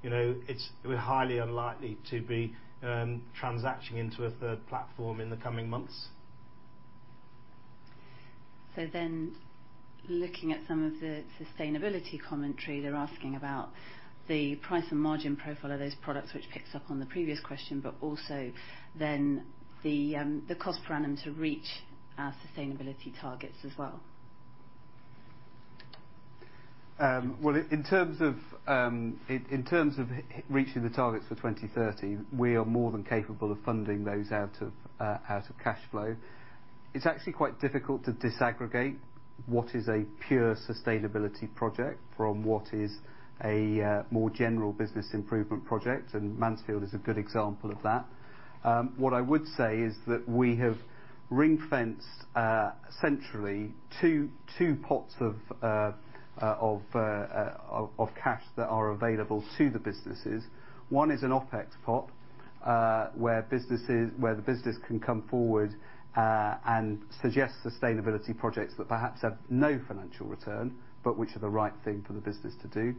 You know, we're highly unlikely to be transacting into a third platform in the coming months. Looking at some of the sustainability commentary, they're asking about the price and margin profile of those products, which picks up on the previous question, but also then the cost per annum to reach our sustainability targets as well. Well, in terms of reaching the targets for 2030, we are more than capable of funding those out of cash flow. It's actually quite difficult to disaggregate what is a pure sustainability project from what is a more general business improvement project, and Mansfield is a good example of that. What I would say is that we have ring-fenced centrally two pots of cash that are available to the businesses. One is an OpEx pot, where the business can come forward and suggest sustainability projects that perhaps have no financial return, but which are the right thing for the business to do.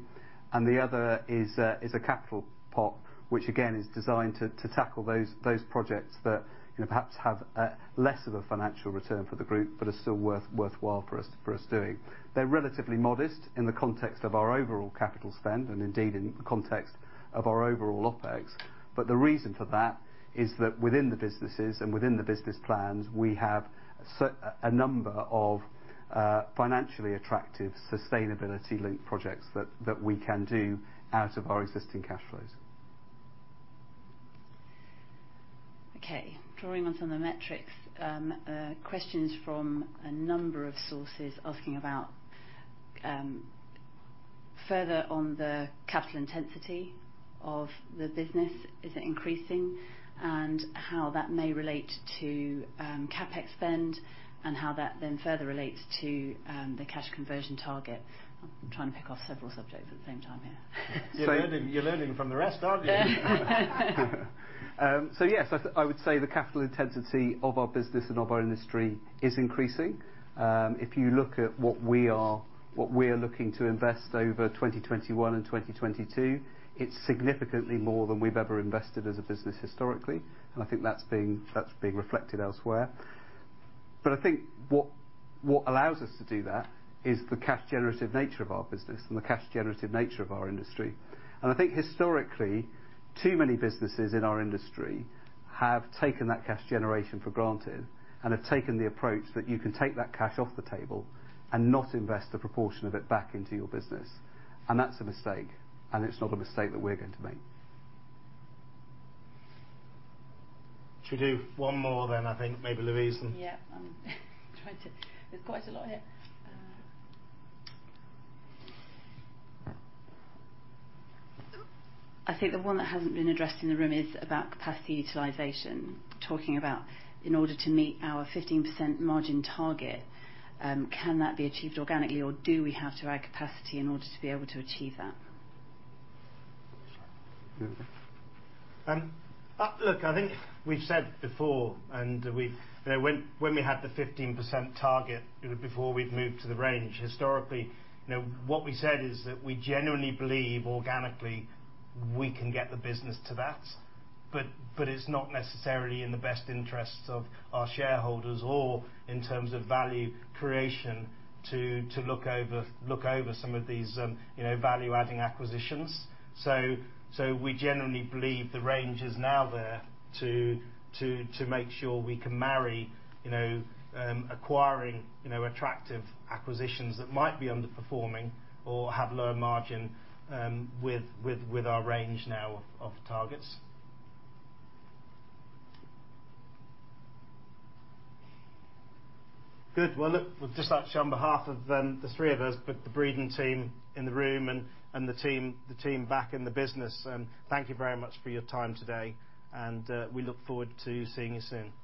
The other is a capital pot, which again, is designed to tackle those projects that, you know, perhaps have a less of a financial return for the group, but are still worthwhile for us doing. They're relatively modest in the context of our overall capital spend and indeed in the context of our overall OpEx. The reason for that is that within the businesses and within the business plans, we have a number of financially attractive sustainability link projects that we can do out of our existing cash flows. Okay. Drawing on some of the metrics, questions from a number of sources asking about further on the capital intensity of the business, is it increasing? How that may relate to CapEx spend, and how that then further relates to the cash conversion target. I'm trying to pick off several subjects at the same time here. You're learning from the rest, aren't you? Yeah. I would say the capital intensity of our business and of our industry is increasing. If you look at what we are looking to invest over 2021 and 2022, it's significantly more than we've ever invested as a business historically, and I think that's being reflected elsewhere. I think what allows us to do that is the cash generative nature of our business and the cash generative nature of our industry. I think historically, too many businesses in our industry have taken that cash generation for granted and have taken the approach that you can take that cash off the table and not invest a proportion of it back into your business. That's a mistake, and it's not a mistake that we're going to make. Should we do one more, then? I think maybe Louise and. Yeah. There's quite a lot here. I think the one that hasn't been addressed in the room is about capacity utilization. Talking about in order to meet our 15% margin target, can that be achieved organically, or do we have to add capacity in order to be able to achieve that? Look, I think we've said before, and we've, you know, when we had the 15% target, before we'd moved to the range, historically, you know, what we said is that we genuinely believe organically we can get the business to that. It's not necessarily in the best interests of our shareholders or in terms of value creation to look over some of these, you know, value-adding acquisitions. We generally believe the range is now there to make sure we can marry, you know, acquiring, you know, attractive acquisitions that might be underperforming or have lower margin, with our range now of targets. Good. Well, look, we'd just like to on behalf of the three of us, but the Breedon team in the room and the team back in the business thank you very much for your time today, and we look forward to seeing you soon.